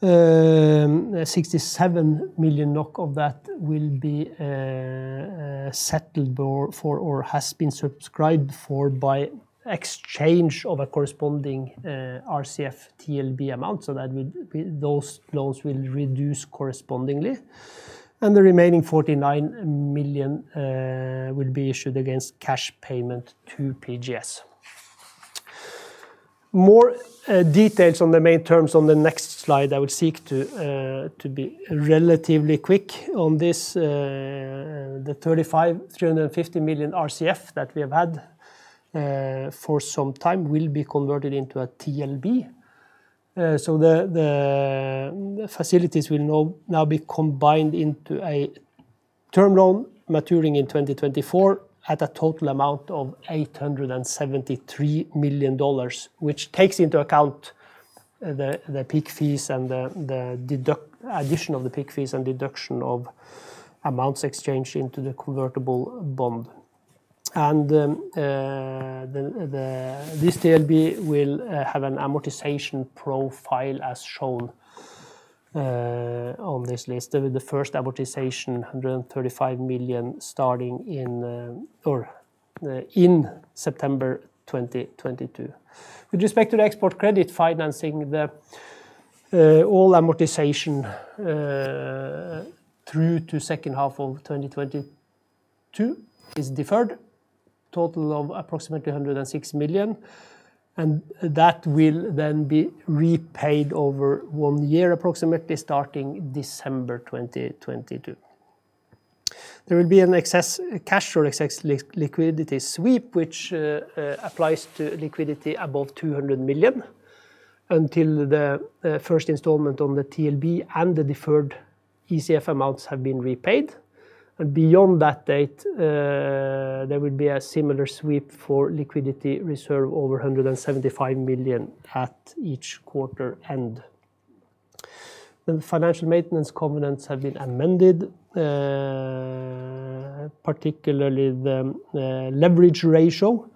67 million NOK of that will be settled for or has been subscribed for by exchange of a corresponding RCF, TLB amount so those loans will reduce correspondingly. The remaining 49 million will be issued against cash payment to PGS. More details on the main terms on the next slide i will seek to be relatively quick on this. The $350 million RCF that we have had for some time will be converted into a TLB. The facilities will now be combined into a term loan maturing in 2024 at a total amount of $873 million, which takes into account the addition of the PIK fees and deduction of amounts exchanged into the convertible bond. This TLB will have an amortization profile as shown on this list, with the first amortization, $135 million, starting in September 2022. With respect to the export credit financing, all amortization through to second half of 2022 is deferred, total of approximately $106 million, and that will then be repaid over one year, approximately starting December 2022. There will be an excess cash or excess liquidity sweep, which applies to liquidity above $200 million until the first installment on the TLB and the deferred ECF amounts have been repaid. Beyond that date, there will be a similar sweep for liquidity reserve over $175 million at each quarter end. The financial maintenance covenants have been amended. Particularly the leverage ratio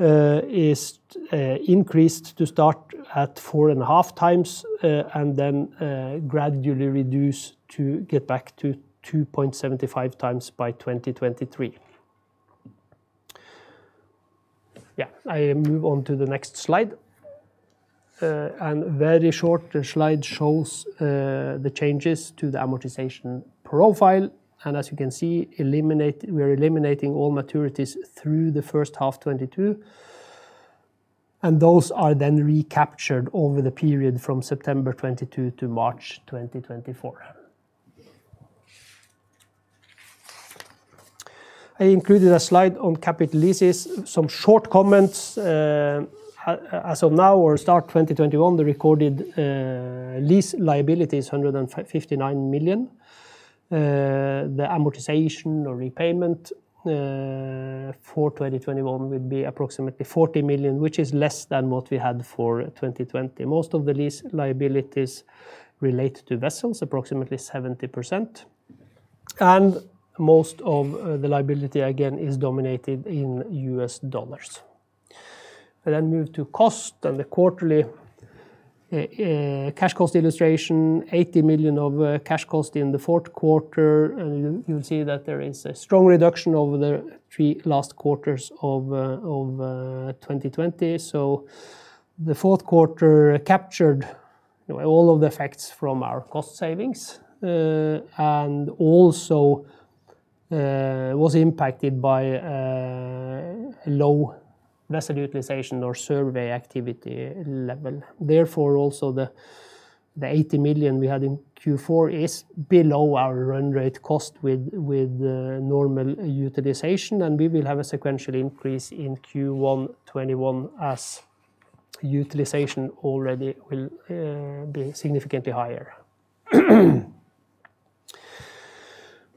is increased to start at 4.5x and then gradually reduce to get back to 2.75x by 2023. Yeah, I move on to the next slide. Very short slide shows the changes to the amortization profile. As you can see, we are eliminating all maturities through the first half 2022. Those are then recaptured over the period from September 2022 to March 2024. I included a slide on capital leases, some short comments. As of now or start 2021, the recorded lease liability is $159 million. The amortization or repayment for 2021 will be approximately $40 million, which is less than what we had for 2020 most of the lease liabilities relate to vessels, approximately 70%. Most of the liability, again, is denominated in U.S. dollars. I then move to cost and the quarterly cash cost illustration, $80 million of cash cost in the Q4 and you'll see that there is a strong reduction over the three last quarters of 2020. The Q4 captured all of the effects from our cost savings, and also was impacted by low vessel utilization or survey activity level also, the $80 million we had in Q4 is below our run rate cost with normal utilization, and we will have a sequential increase in Q1 2021 as utilization already will be significantly higher.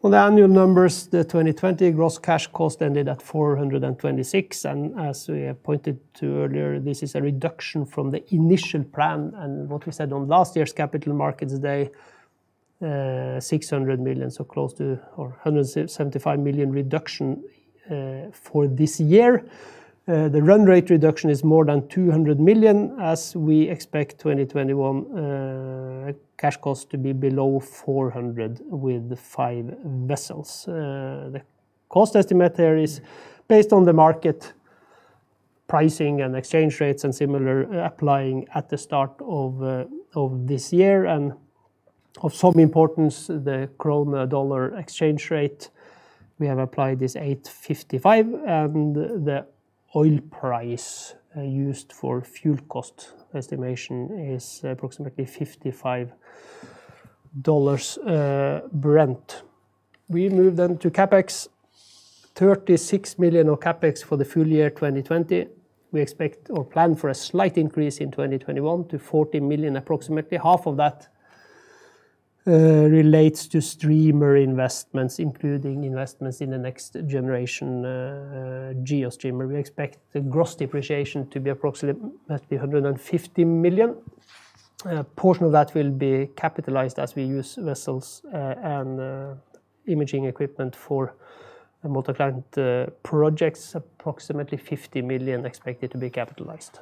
On the annual numbers, the 2020 gross cash cost ended at $426 million and as we have pointed to earlier, this is a reduction from the initial plan and what we said on last year's Capital Markets Day, $600 million, close to, or $175 million reduction for this year. The run rate reduction is more than $200 million, as we expect 2021 cash cost to be below $400 million with five vessels. The cost estimate there is based on the market pricing and exchange rates and similar applying at the start of this year and, of some importance, the krone-dollar exchange rate, we have applied this $855, and the oil price used for fuel cost estimation is approximately $55 Brent. We move then to CapEx, $36 million of CapEx for the full year 2020. We expect or plan for a slight increase in 2021 to $40 million, approximately half of that relates to streamer investments, including investments in the next generation GeoStreamer we expect the gross depreciation to be approximately $150 million. A portion of that will be capitalized as we use vessels and imaging equipment for multi-client projects, approximately $50 million expected to be capitalized.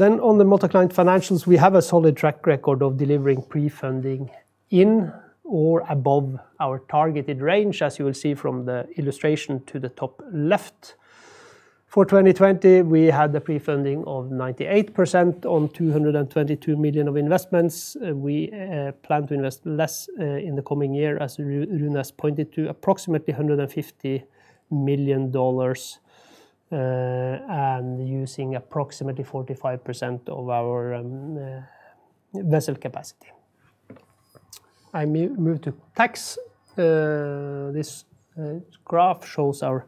On the multi-client financials, we have a solid track record of delivering pre-funding in or above our targeted range as you will see from the illustration to the top left. For 2020, we had the pre-funding of 98% on $222 million of investments. We plan to invest less in the coming year, as Rune has pointed to approximately $150 million, and using approximately 45% of our vessel capacity. I move to tax. This graph shows our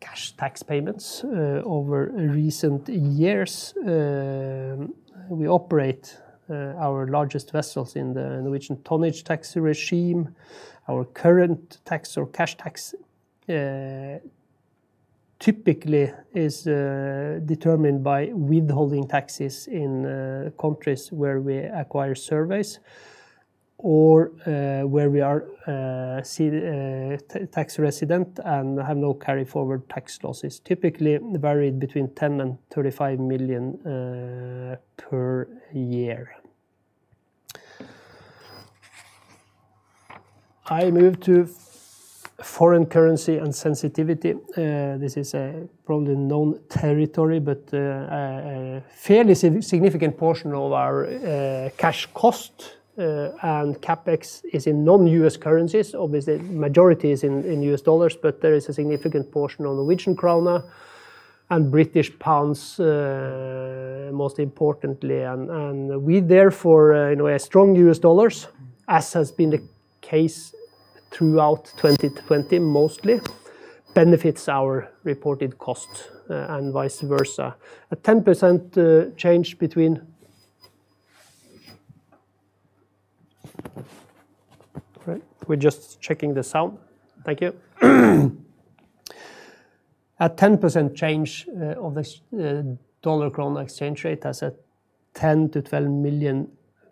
cash tax payments over recent years. We operate our largest vessels in the Norwegian Tonnage Tax Regime. Our current tax or cash tax typically is determined by withholding taxes in countries where we acquire surveys or where we are tax resident and have no carry forward tax losses typically varied between $10 million and $35 million per year. I move to foreign currency and sensitivity. This is probably known territory, but a fairly significant portion of our cash cost and CapEx is in non-U.S. currencies obviously, majority is in U.S. dollars, but there is a significant portion of Norwegian kroner and British Pounds, most importantly and we therefore know a strong U.S. dollars, as has been the case throughout 2020 mostly, benefits our reported cost and vice versa. Thank you. A 10% change of the dollar-krone exchange rate has a $10 million-$12 million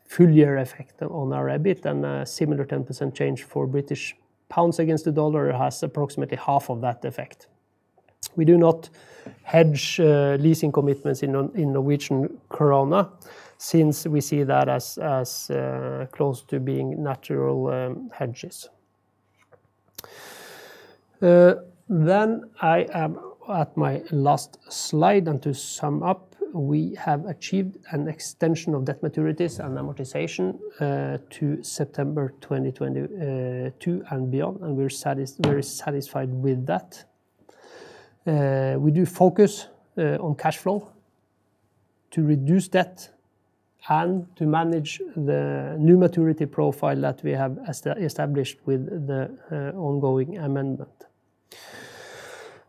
full year effect on our EBITDA and a similar 10% change for British Pounds against the dollar has approximately half of that effect. We do not hedge leasing commitments in Norwegian kroner since we see that as close to being natural hedges. I am at my last slide, and to sum up, we have achieved an extension of debt maturities and amortization to September 2022 and beyond, and we're very satisfied with that. We do focus on cash flow to reduce debt and to manage the new maturity profile that we have established with the ongoing amendment.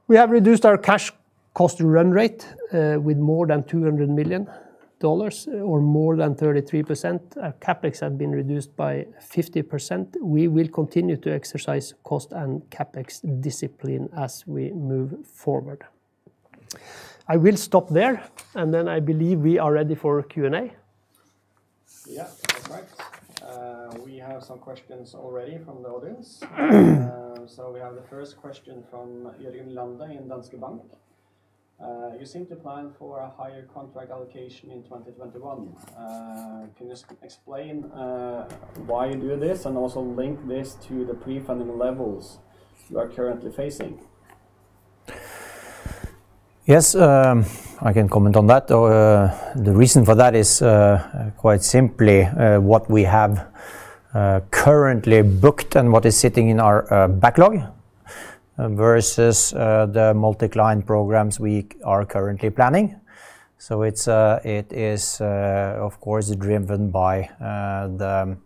We have reduced our cash cost run rate with more than $200 million, or more than 33% our CapEx have been reduced by 50%. We will continue to exercise cost and CapEx discipline as we move forward. I will stop there, and then I believe we are ready for Q&A. Yeah. All right. We have some questions already from the audience. We have the first question from Jørgen Lande in Danske Bank. You seem to plan for a higher contract allocation in 2021. Can you explain why you do this and also link this to the prefunding levels you are currently facing? Yes, I can comment on that. The reason for that is quite simply what we have currently booked and what is sitting in our backlog versus the multi-client programs we are currently planning. It is of course driven by the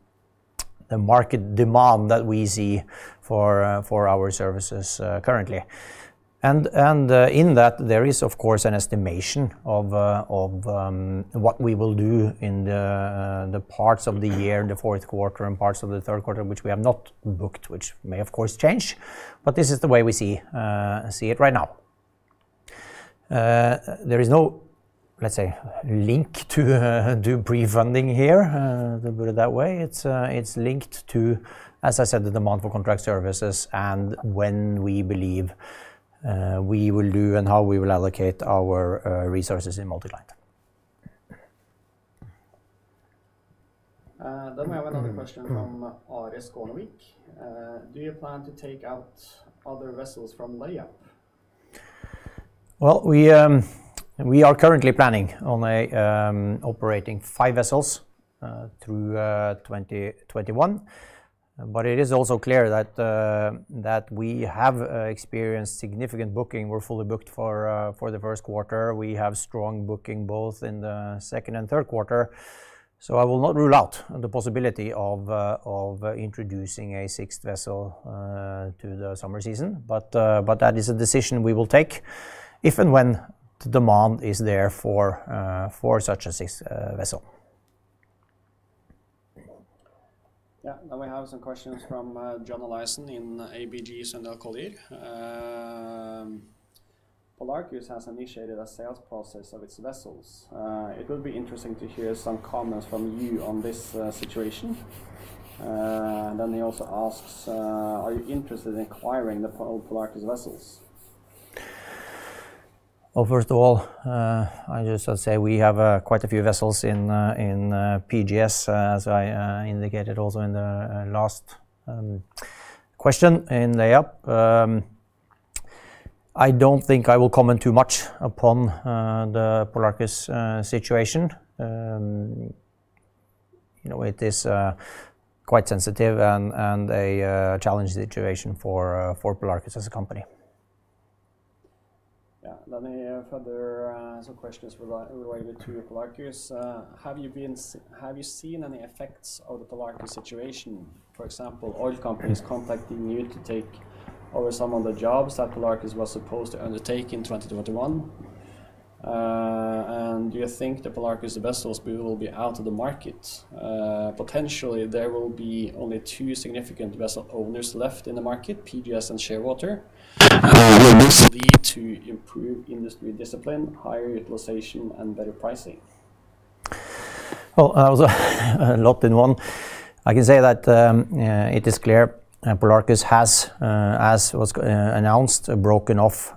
market demand that we see for our services currently. In that, there is of course an estimation of what we will do in the parts of the year, the Q4 and parts of the Q3, which we have not booked, which may of course change. This is the way we see it right now. There is no link to do prefunding here, put it that way, it's linked to, as I said, the demand for contract services and when we believe we will do and how we will allocate our resources in multi-client. We have another question from Ares Konovich. Do you plan to take out other vessels from layout? Well, we are currently planning on operating five vessels through 2021. It is also clear that we have experienced significant booking we're fully booked for the Q1, we have strong booking both in the Q2 and Q3. I will not rule out the possibility of introducing a sixth vessel to the summer season. That is a decision we will take if and when the demand is there for such a sixth vessel. Yeah. We have some questions from John Olaisen in ABG Sundal Collier. Polarcus has initiated a sales process of its vessels. It would be interesting to hear some comments from you on this situation. He also asks, are you interested in acquiring the Polarcus vessels? First of all, I just would say we have quite a few vessels in PGS, as I indicated also in the last question in lay-up. I don't think I will comment too much upon the Polarcus situation. It is quite sensitive and a challenge situation for Polarcus as a company. Yeah we have further some questions related to Polarcus. Have you seen any effects of the Polarcus situation? For example, oil companies contacting you to take over some of the jobs that Polarcus was supposed to undertake in 2021. Do you think the Polarcus vessels will be out of the market? Potentially there will be only two significant vessel owners left in the market, PGS and Shearwater. Will this lead to improved industry discipline, higher utilization, and better pricing? Well, that was a lot in one. I can say that it is clear Polarcus has, as was announced, broken off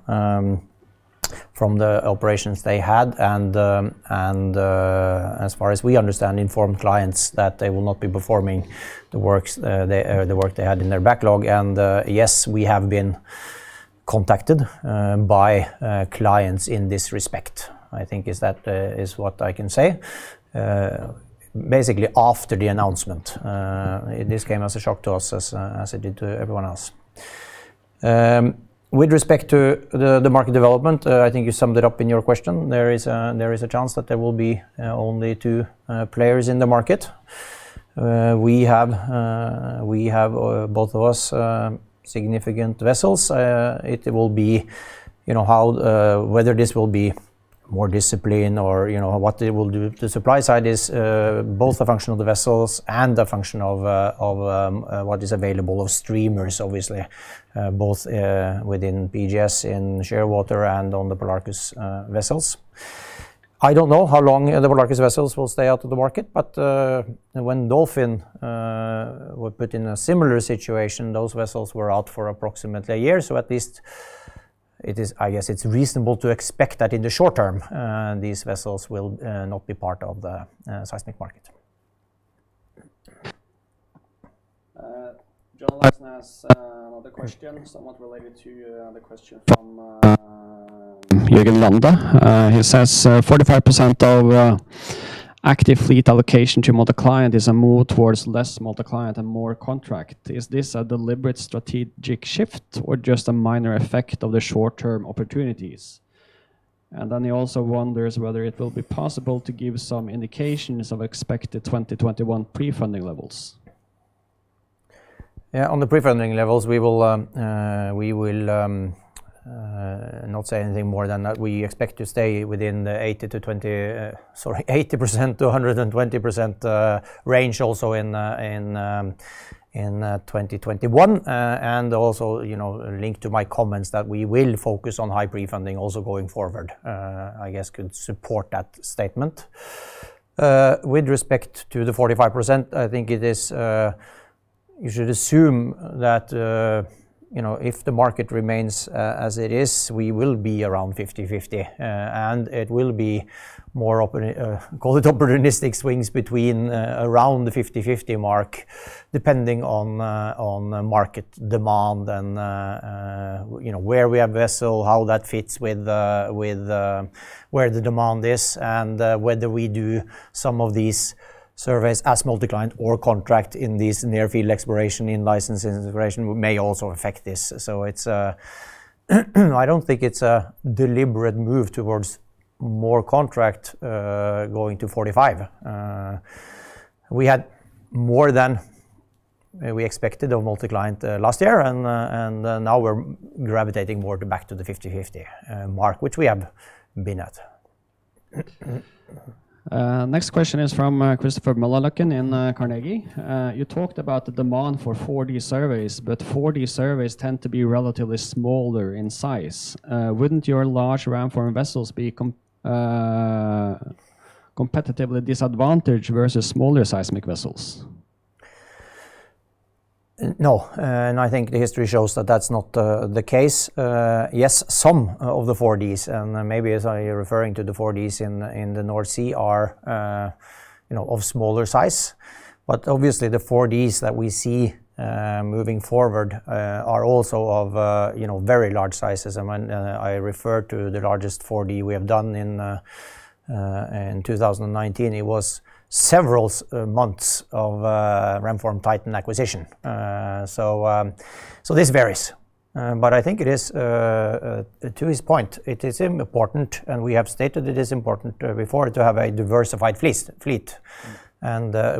from the operations they had. As far as we understand, informed clients that they will not be performing the work they had in their backlog. Yes, we have been contacted by clients in this respect. I think that is what I can say. Basically after the announcement, this came as a shock to us as it did to everyone else. With respect to the market development, I think you summed it up in your question there is a chance that there will be only two players in the market. We have both of us significant vessels. Whether this will be more discipline or what they will do the supply side is both the function of the vessels and the function of what is available of streamers, obviously, both within PGS, in Shearwater, and on the Polarcus vessels. I don't know how long the Polarcus vessels will stay out of the market, but when Dolphin were put in a similar situation, those vessels were out for approximately a year so at least I guess it's reasonable to expect that in the short term, these vessels will not be part of the seismic market. John Olaisen has another question somewhat related to the question from- Jørgen Lande. He says 45% of active fleet allocation to multi-client is a move towards less multi-client and more contract. Is this a deliberate strategic shift or just a minor effect of the short-term opportunities? He also wonders whether it will be possible to give some indications of expected 2021 prefunding levels. Yeah, on the prefunding levels we will not say anything more than that we expect to stay within the 80% to 120% range also in 2021 and also linked to my comments that we will focus on high prefunding also going forward, I guess could support that statement. With respect to the 45%, I think you should assume that if the market remains as it is, we will be around 50/50. It will be more call it opportunistic swings between around the 50/50 mark depending on market demand and where we have vessel, how that fits with where the demand is, and whether we do some of these surveys as multi-client or contract in these nearfield exploration in license integration may also affect this. I don't think it's a deliberate move towards more contract going to 45. We had more than we expected of multi-client last year, and now we're gravitating more back to the 50/50 mark, which we have been at. Next question is from Christopher Møllerløkken in Carnegie. You talked about the demand for 4D surveys, but 4D surveys tend to be relatively smaller in size. Wouldn't your large Ramform vessels be competitively disadvantaged versus smaller seismic vessels? No, I think the history shows that that's not the case. Yes, some of the 4Ds, and maybe as you're referring to the 4Ds in the North Sea are of smaller size. Obviously the 4Ds that we see moving forward are also of very large sizes i refer to the largest 4D we have done in 2019 it was several months of Ramform Titan acquisition. This varies. I think to his point, it is important, and we have stated it is important before to have a diversified fleet.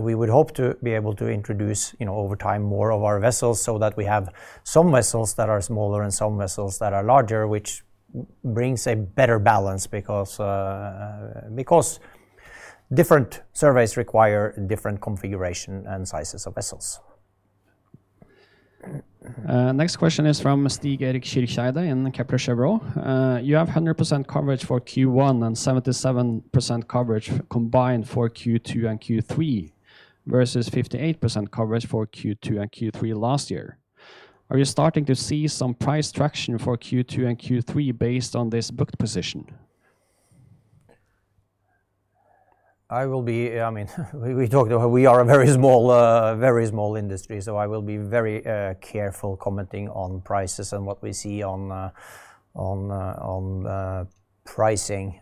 We would hope to be able to introduce, over time, more of our vessels so that we have some vessels that are smaller and some vessels that are larger, which brings a better balance because different surveys require different configuration and sizes of vessels. Next question is from Stig Erik Kyrkjeeide in Kepler Cheuvreux. You have 100% coverage for Q1 and 77% coverage combined for Q2 and Q3 versus 58% coverage for Q2 and Q3 last year. Are you starting to see some price traction for Q2 and Q3 based on this booked position? We are a very small industry. I will be very careful commenting on prices and what we see on pricing.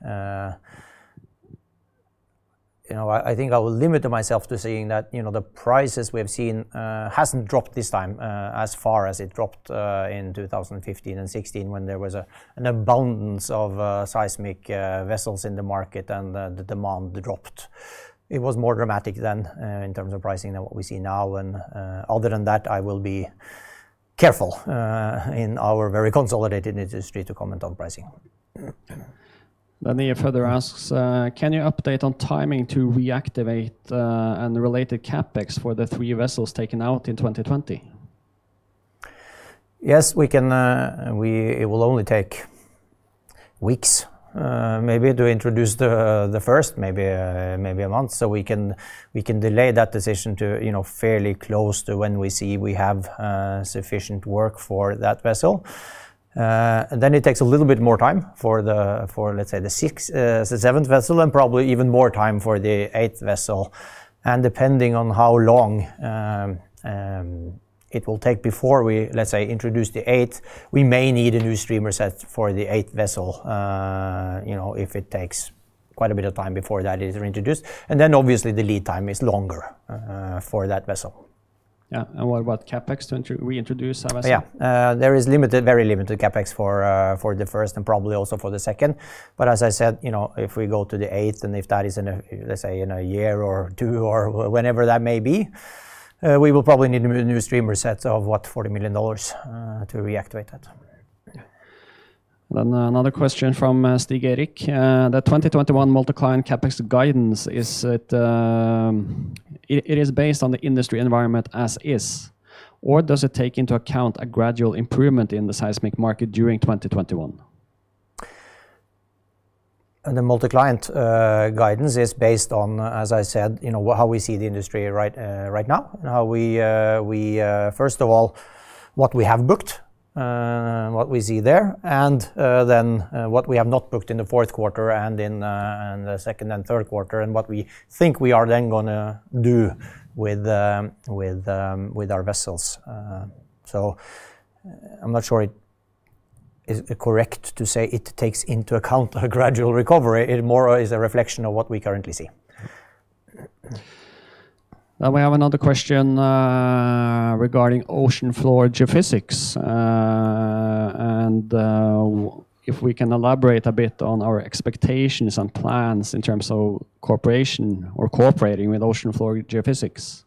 I think I will limit myself to saying that the prices we have seen hasn't dropped this time as far as it dropped in 2015 and 2016 when there was an abundance of seismic vessels in the market and the demand dropped. It was more dramatic than in terms of pricing than what we see now. Other than that, I will be careful in our very consolidated industry to comment on pricing. He further asks, can you update on timing to reactivate and relate the CapEx for the three vessels taken out in 2020? It will only take weeks maybe to introduce the first maybe a month so we can delay that decision to fairly close to when we see we have sufficient work for that vessel. It takes a little bit more time for let's say the seventh vessel and probably even more time for the eighth vessel. Depending on how long it will take before we, let's say, introduce the eighth, we may need a new streamer set for the eighth vessel if it takes quite a bit of time before that is introduced, obviously the lead time is longer for that vessel. Yeah. What about CapEx to reintroduce a vessel? Yeah. There is very limited CapEx for the first and probably also for the second. As I said, if we go to the eighth and if that is in, let's say, a year or two or whenever that may be, we will probably need a new streamer set of what, $40 million to reactivate that. Another question from Stig Erik. The 2021 multi-client CapEx guidance, it is based on the industry environment as is? or does it take into account a gradual improvement in the seismic market during 2021? The multi-client guidance is based on, as I said, how we see the industry right now and first of all, what we have booked, what we see there, and then what we have not booked in the Q4 and in the Q2 and Q3 and what we think we are then going to do with our vessels. I'm not sure it is correct to say it takes into account a gradual recovery it more is a reflection of what we currently see. We have another question regarding Ocean Floor Geophysics. If we can elaborate a bit on our expectations and plans in terms of cooperation or cooperating with Ocean Floor Geophysics.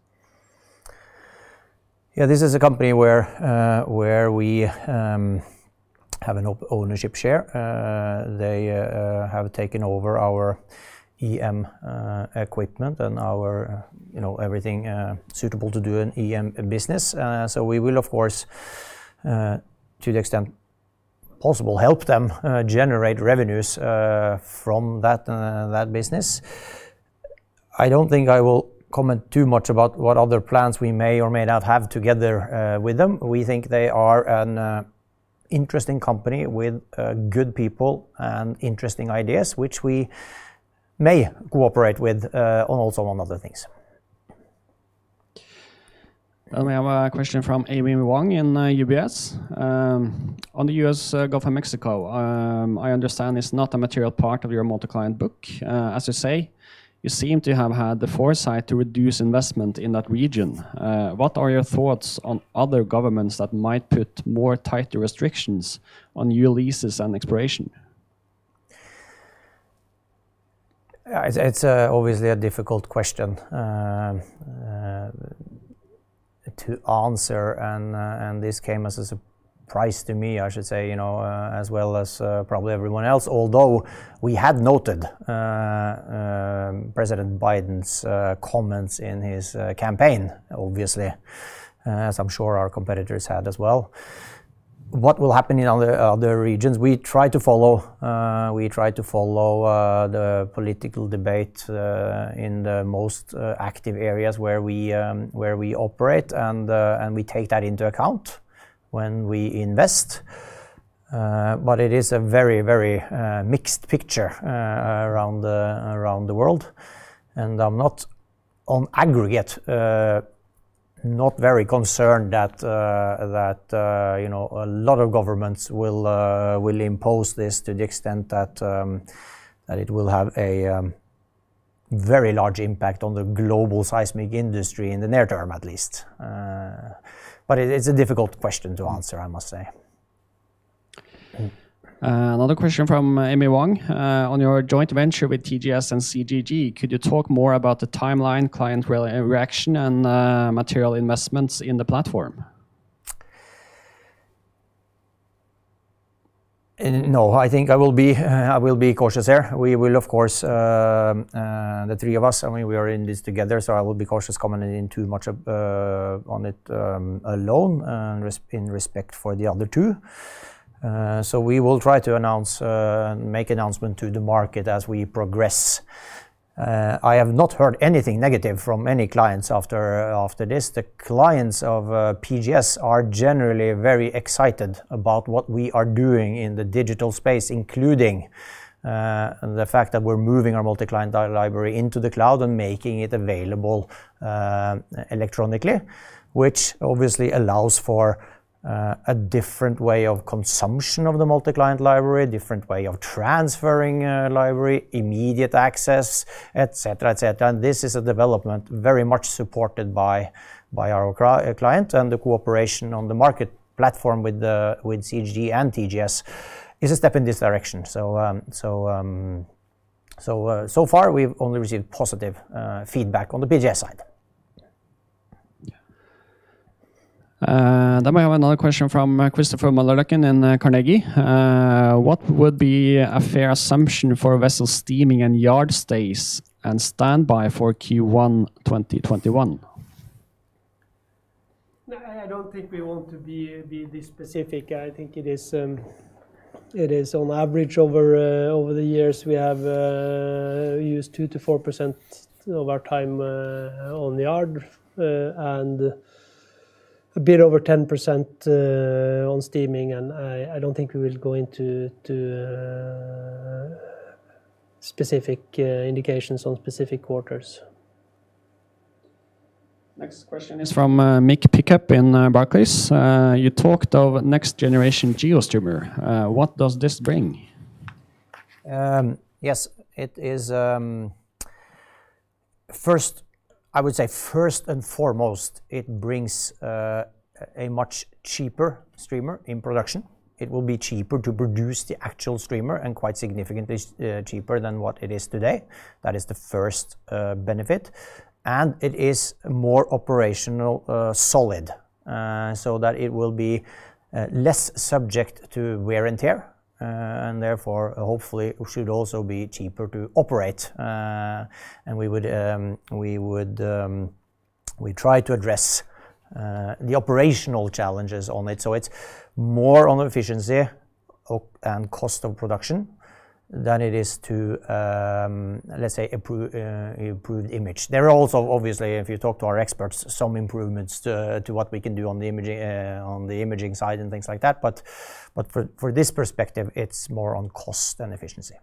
This is a company where we have an ownership share. They have taken over our EM equipment and everything suitable to do an EM business so we will, of course, to the extent possible, help them generate revenues from that business. I don't think I will comment too much about what other plans we may or may not have together with them we think they are an interesting company with good people and interesting ideas, which we may cooperate with on also on other things. We have a question from Amy Wong in UBS. On the US Gulf of Mexico, I understand it's not a material part of your multi-client book. As you say, you seem to have had the foresight to reduce investment in that region. What are your thoughts on other governments that might put tighter restrictions on new leases and exploration? It's obviously a difficult question to answer, this came as a surprise to me, I should say, as well as probably everyone else although we had noted President Biden's comments in his campaign, obviously, as I'm sure our competitors had as well. What will happen in other regions? We try to follow the political debate in the most active areas where we operate. We take that into account when we invest. It is a very mixed picture around the world. On aggregate, not very concerned that a lot of governments will impose this to the extent that it will have a very large impact on the global seismic industry in the near term, at least. It is a difficult question to answer, I must say. Another question from Amy Wong. On your joint venture with TGS and CGG, could you talk more about the timeline, client reaction, and material investments in the platform? No, I think I will be cautious there. We will, of course, the three of us, we are in this together, so I will be cautious commenting too much on it alone in respect for the other two. We will try to make announcement to the market as we progress. I have not heard anything negative from any clients after this the clients of PGS are generally very excited about what we are doing in the digital space, including the fact that we're moving our multi-client library into the Cloud and making it available electronically. Obviously allows for a different way of consumption of the multi-client library, different way of transferring a library, immediate access, et cetera this is a development very much supported by our client, and the cooperation on the market platform with CGG and TGS is a step in this direction, so far we've only received positive feedback on the PGS side. We have another question from Christopher Maleraken in Carnegie. What would be a fair assumption for vessel steaming and yard stays and standby for Q1 2021? No, I don't think we want to be this specific. I think it is on average over the years, we have used 2%-4% of our time on the yard, and a bit over 10% on steaming. I don't think we will go into specific indications on specific quarters. Next question is from Mick Pickup in Barclays. You talked of next generation GeoStreamer. What does this bring? Yes. I would say first and foremost, it brings a much cheaper streamer in production. It will be cheaper to produce the actual streamer, and quite significantly cheaper than what it is today. That is the first benefit. It is more operational solid, so that it will be less subject to wear and tear. Therefore, hopefully, it should also be cheaper to operate. We try to address the operational challenges on it it's more on efficiency and cost of production than it is to, let's say, improve image there are also, obviously, if you talk to our experts, some improvements to what we can do on the imaging side and things like that. For this perspective, it's more on cost and efficiency.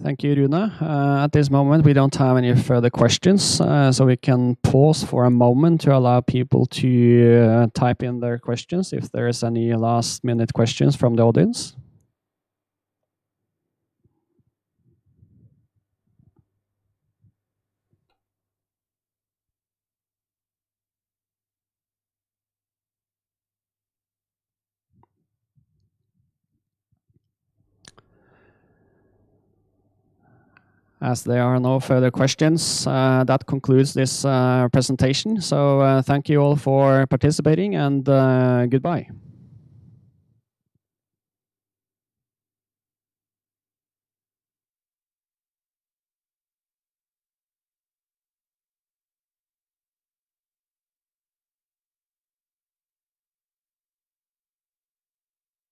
Thank you, Rune. At this moment, we don't have any further questions, so we can pause for a moment to allow people to type in their questions if there is any last-minute questions from the audience. As there are no further questions, that concludes this presentation. Thank you all for participating, and goodbye.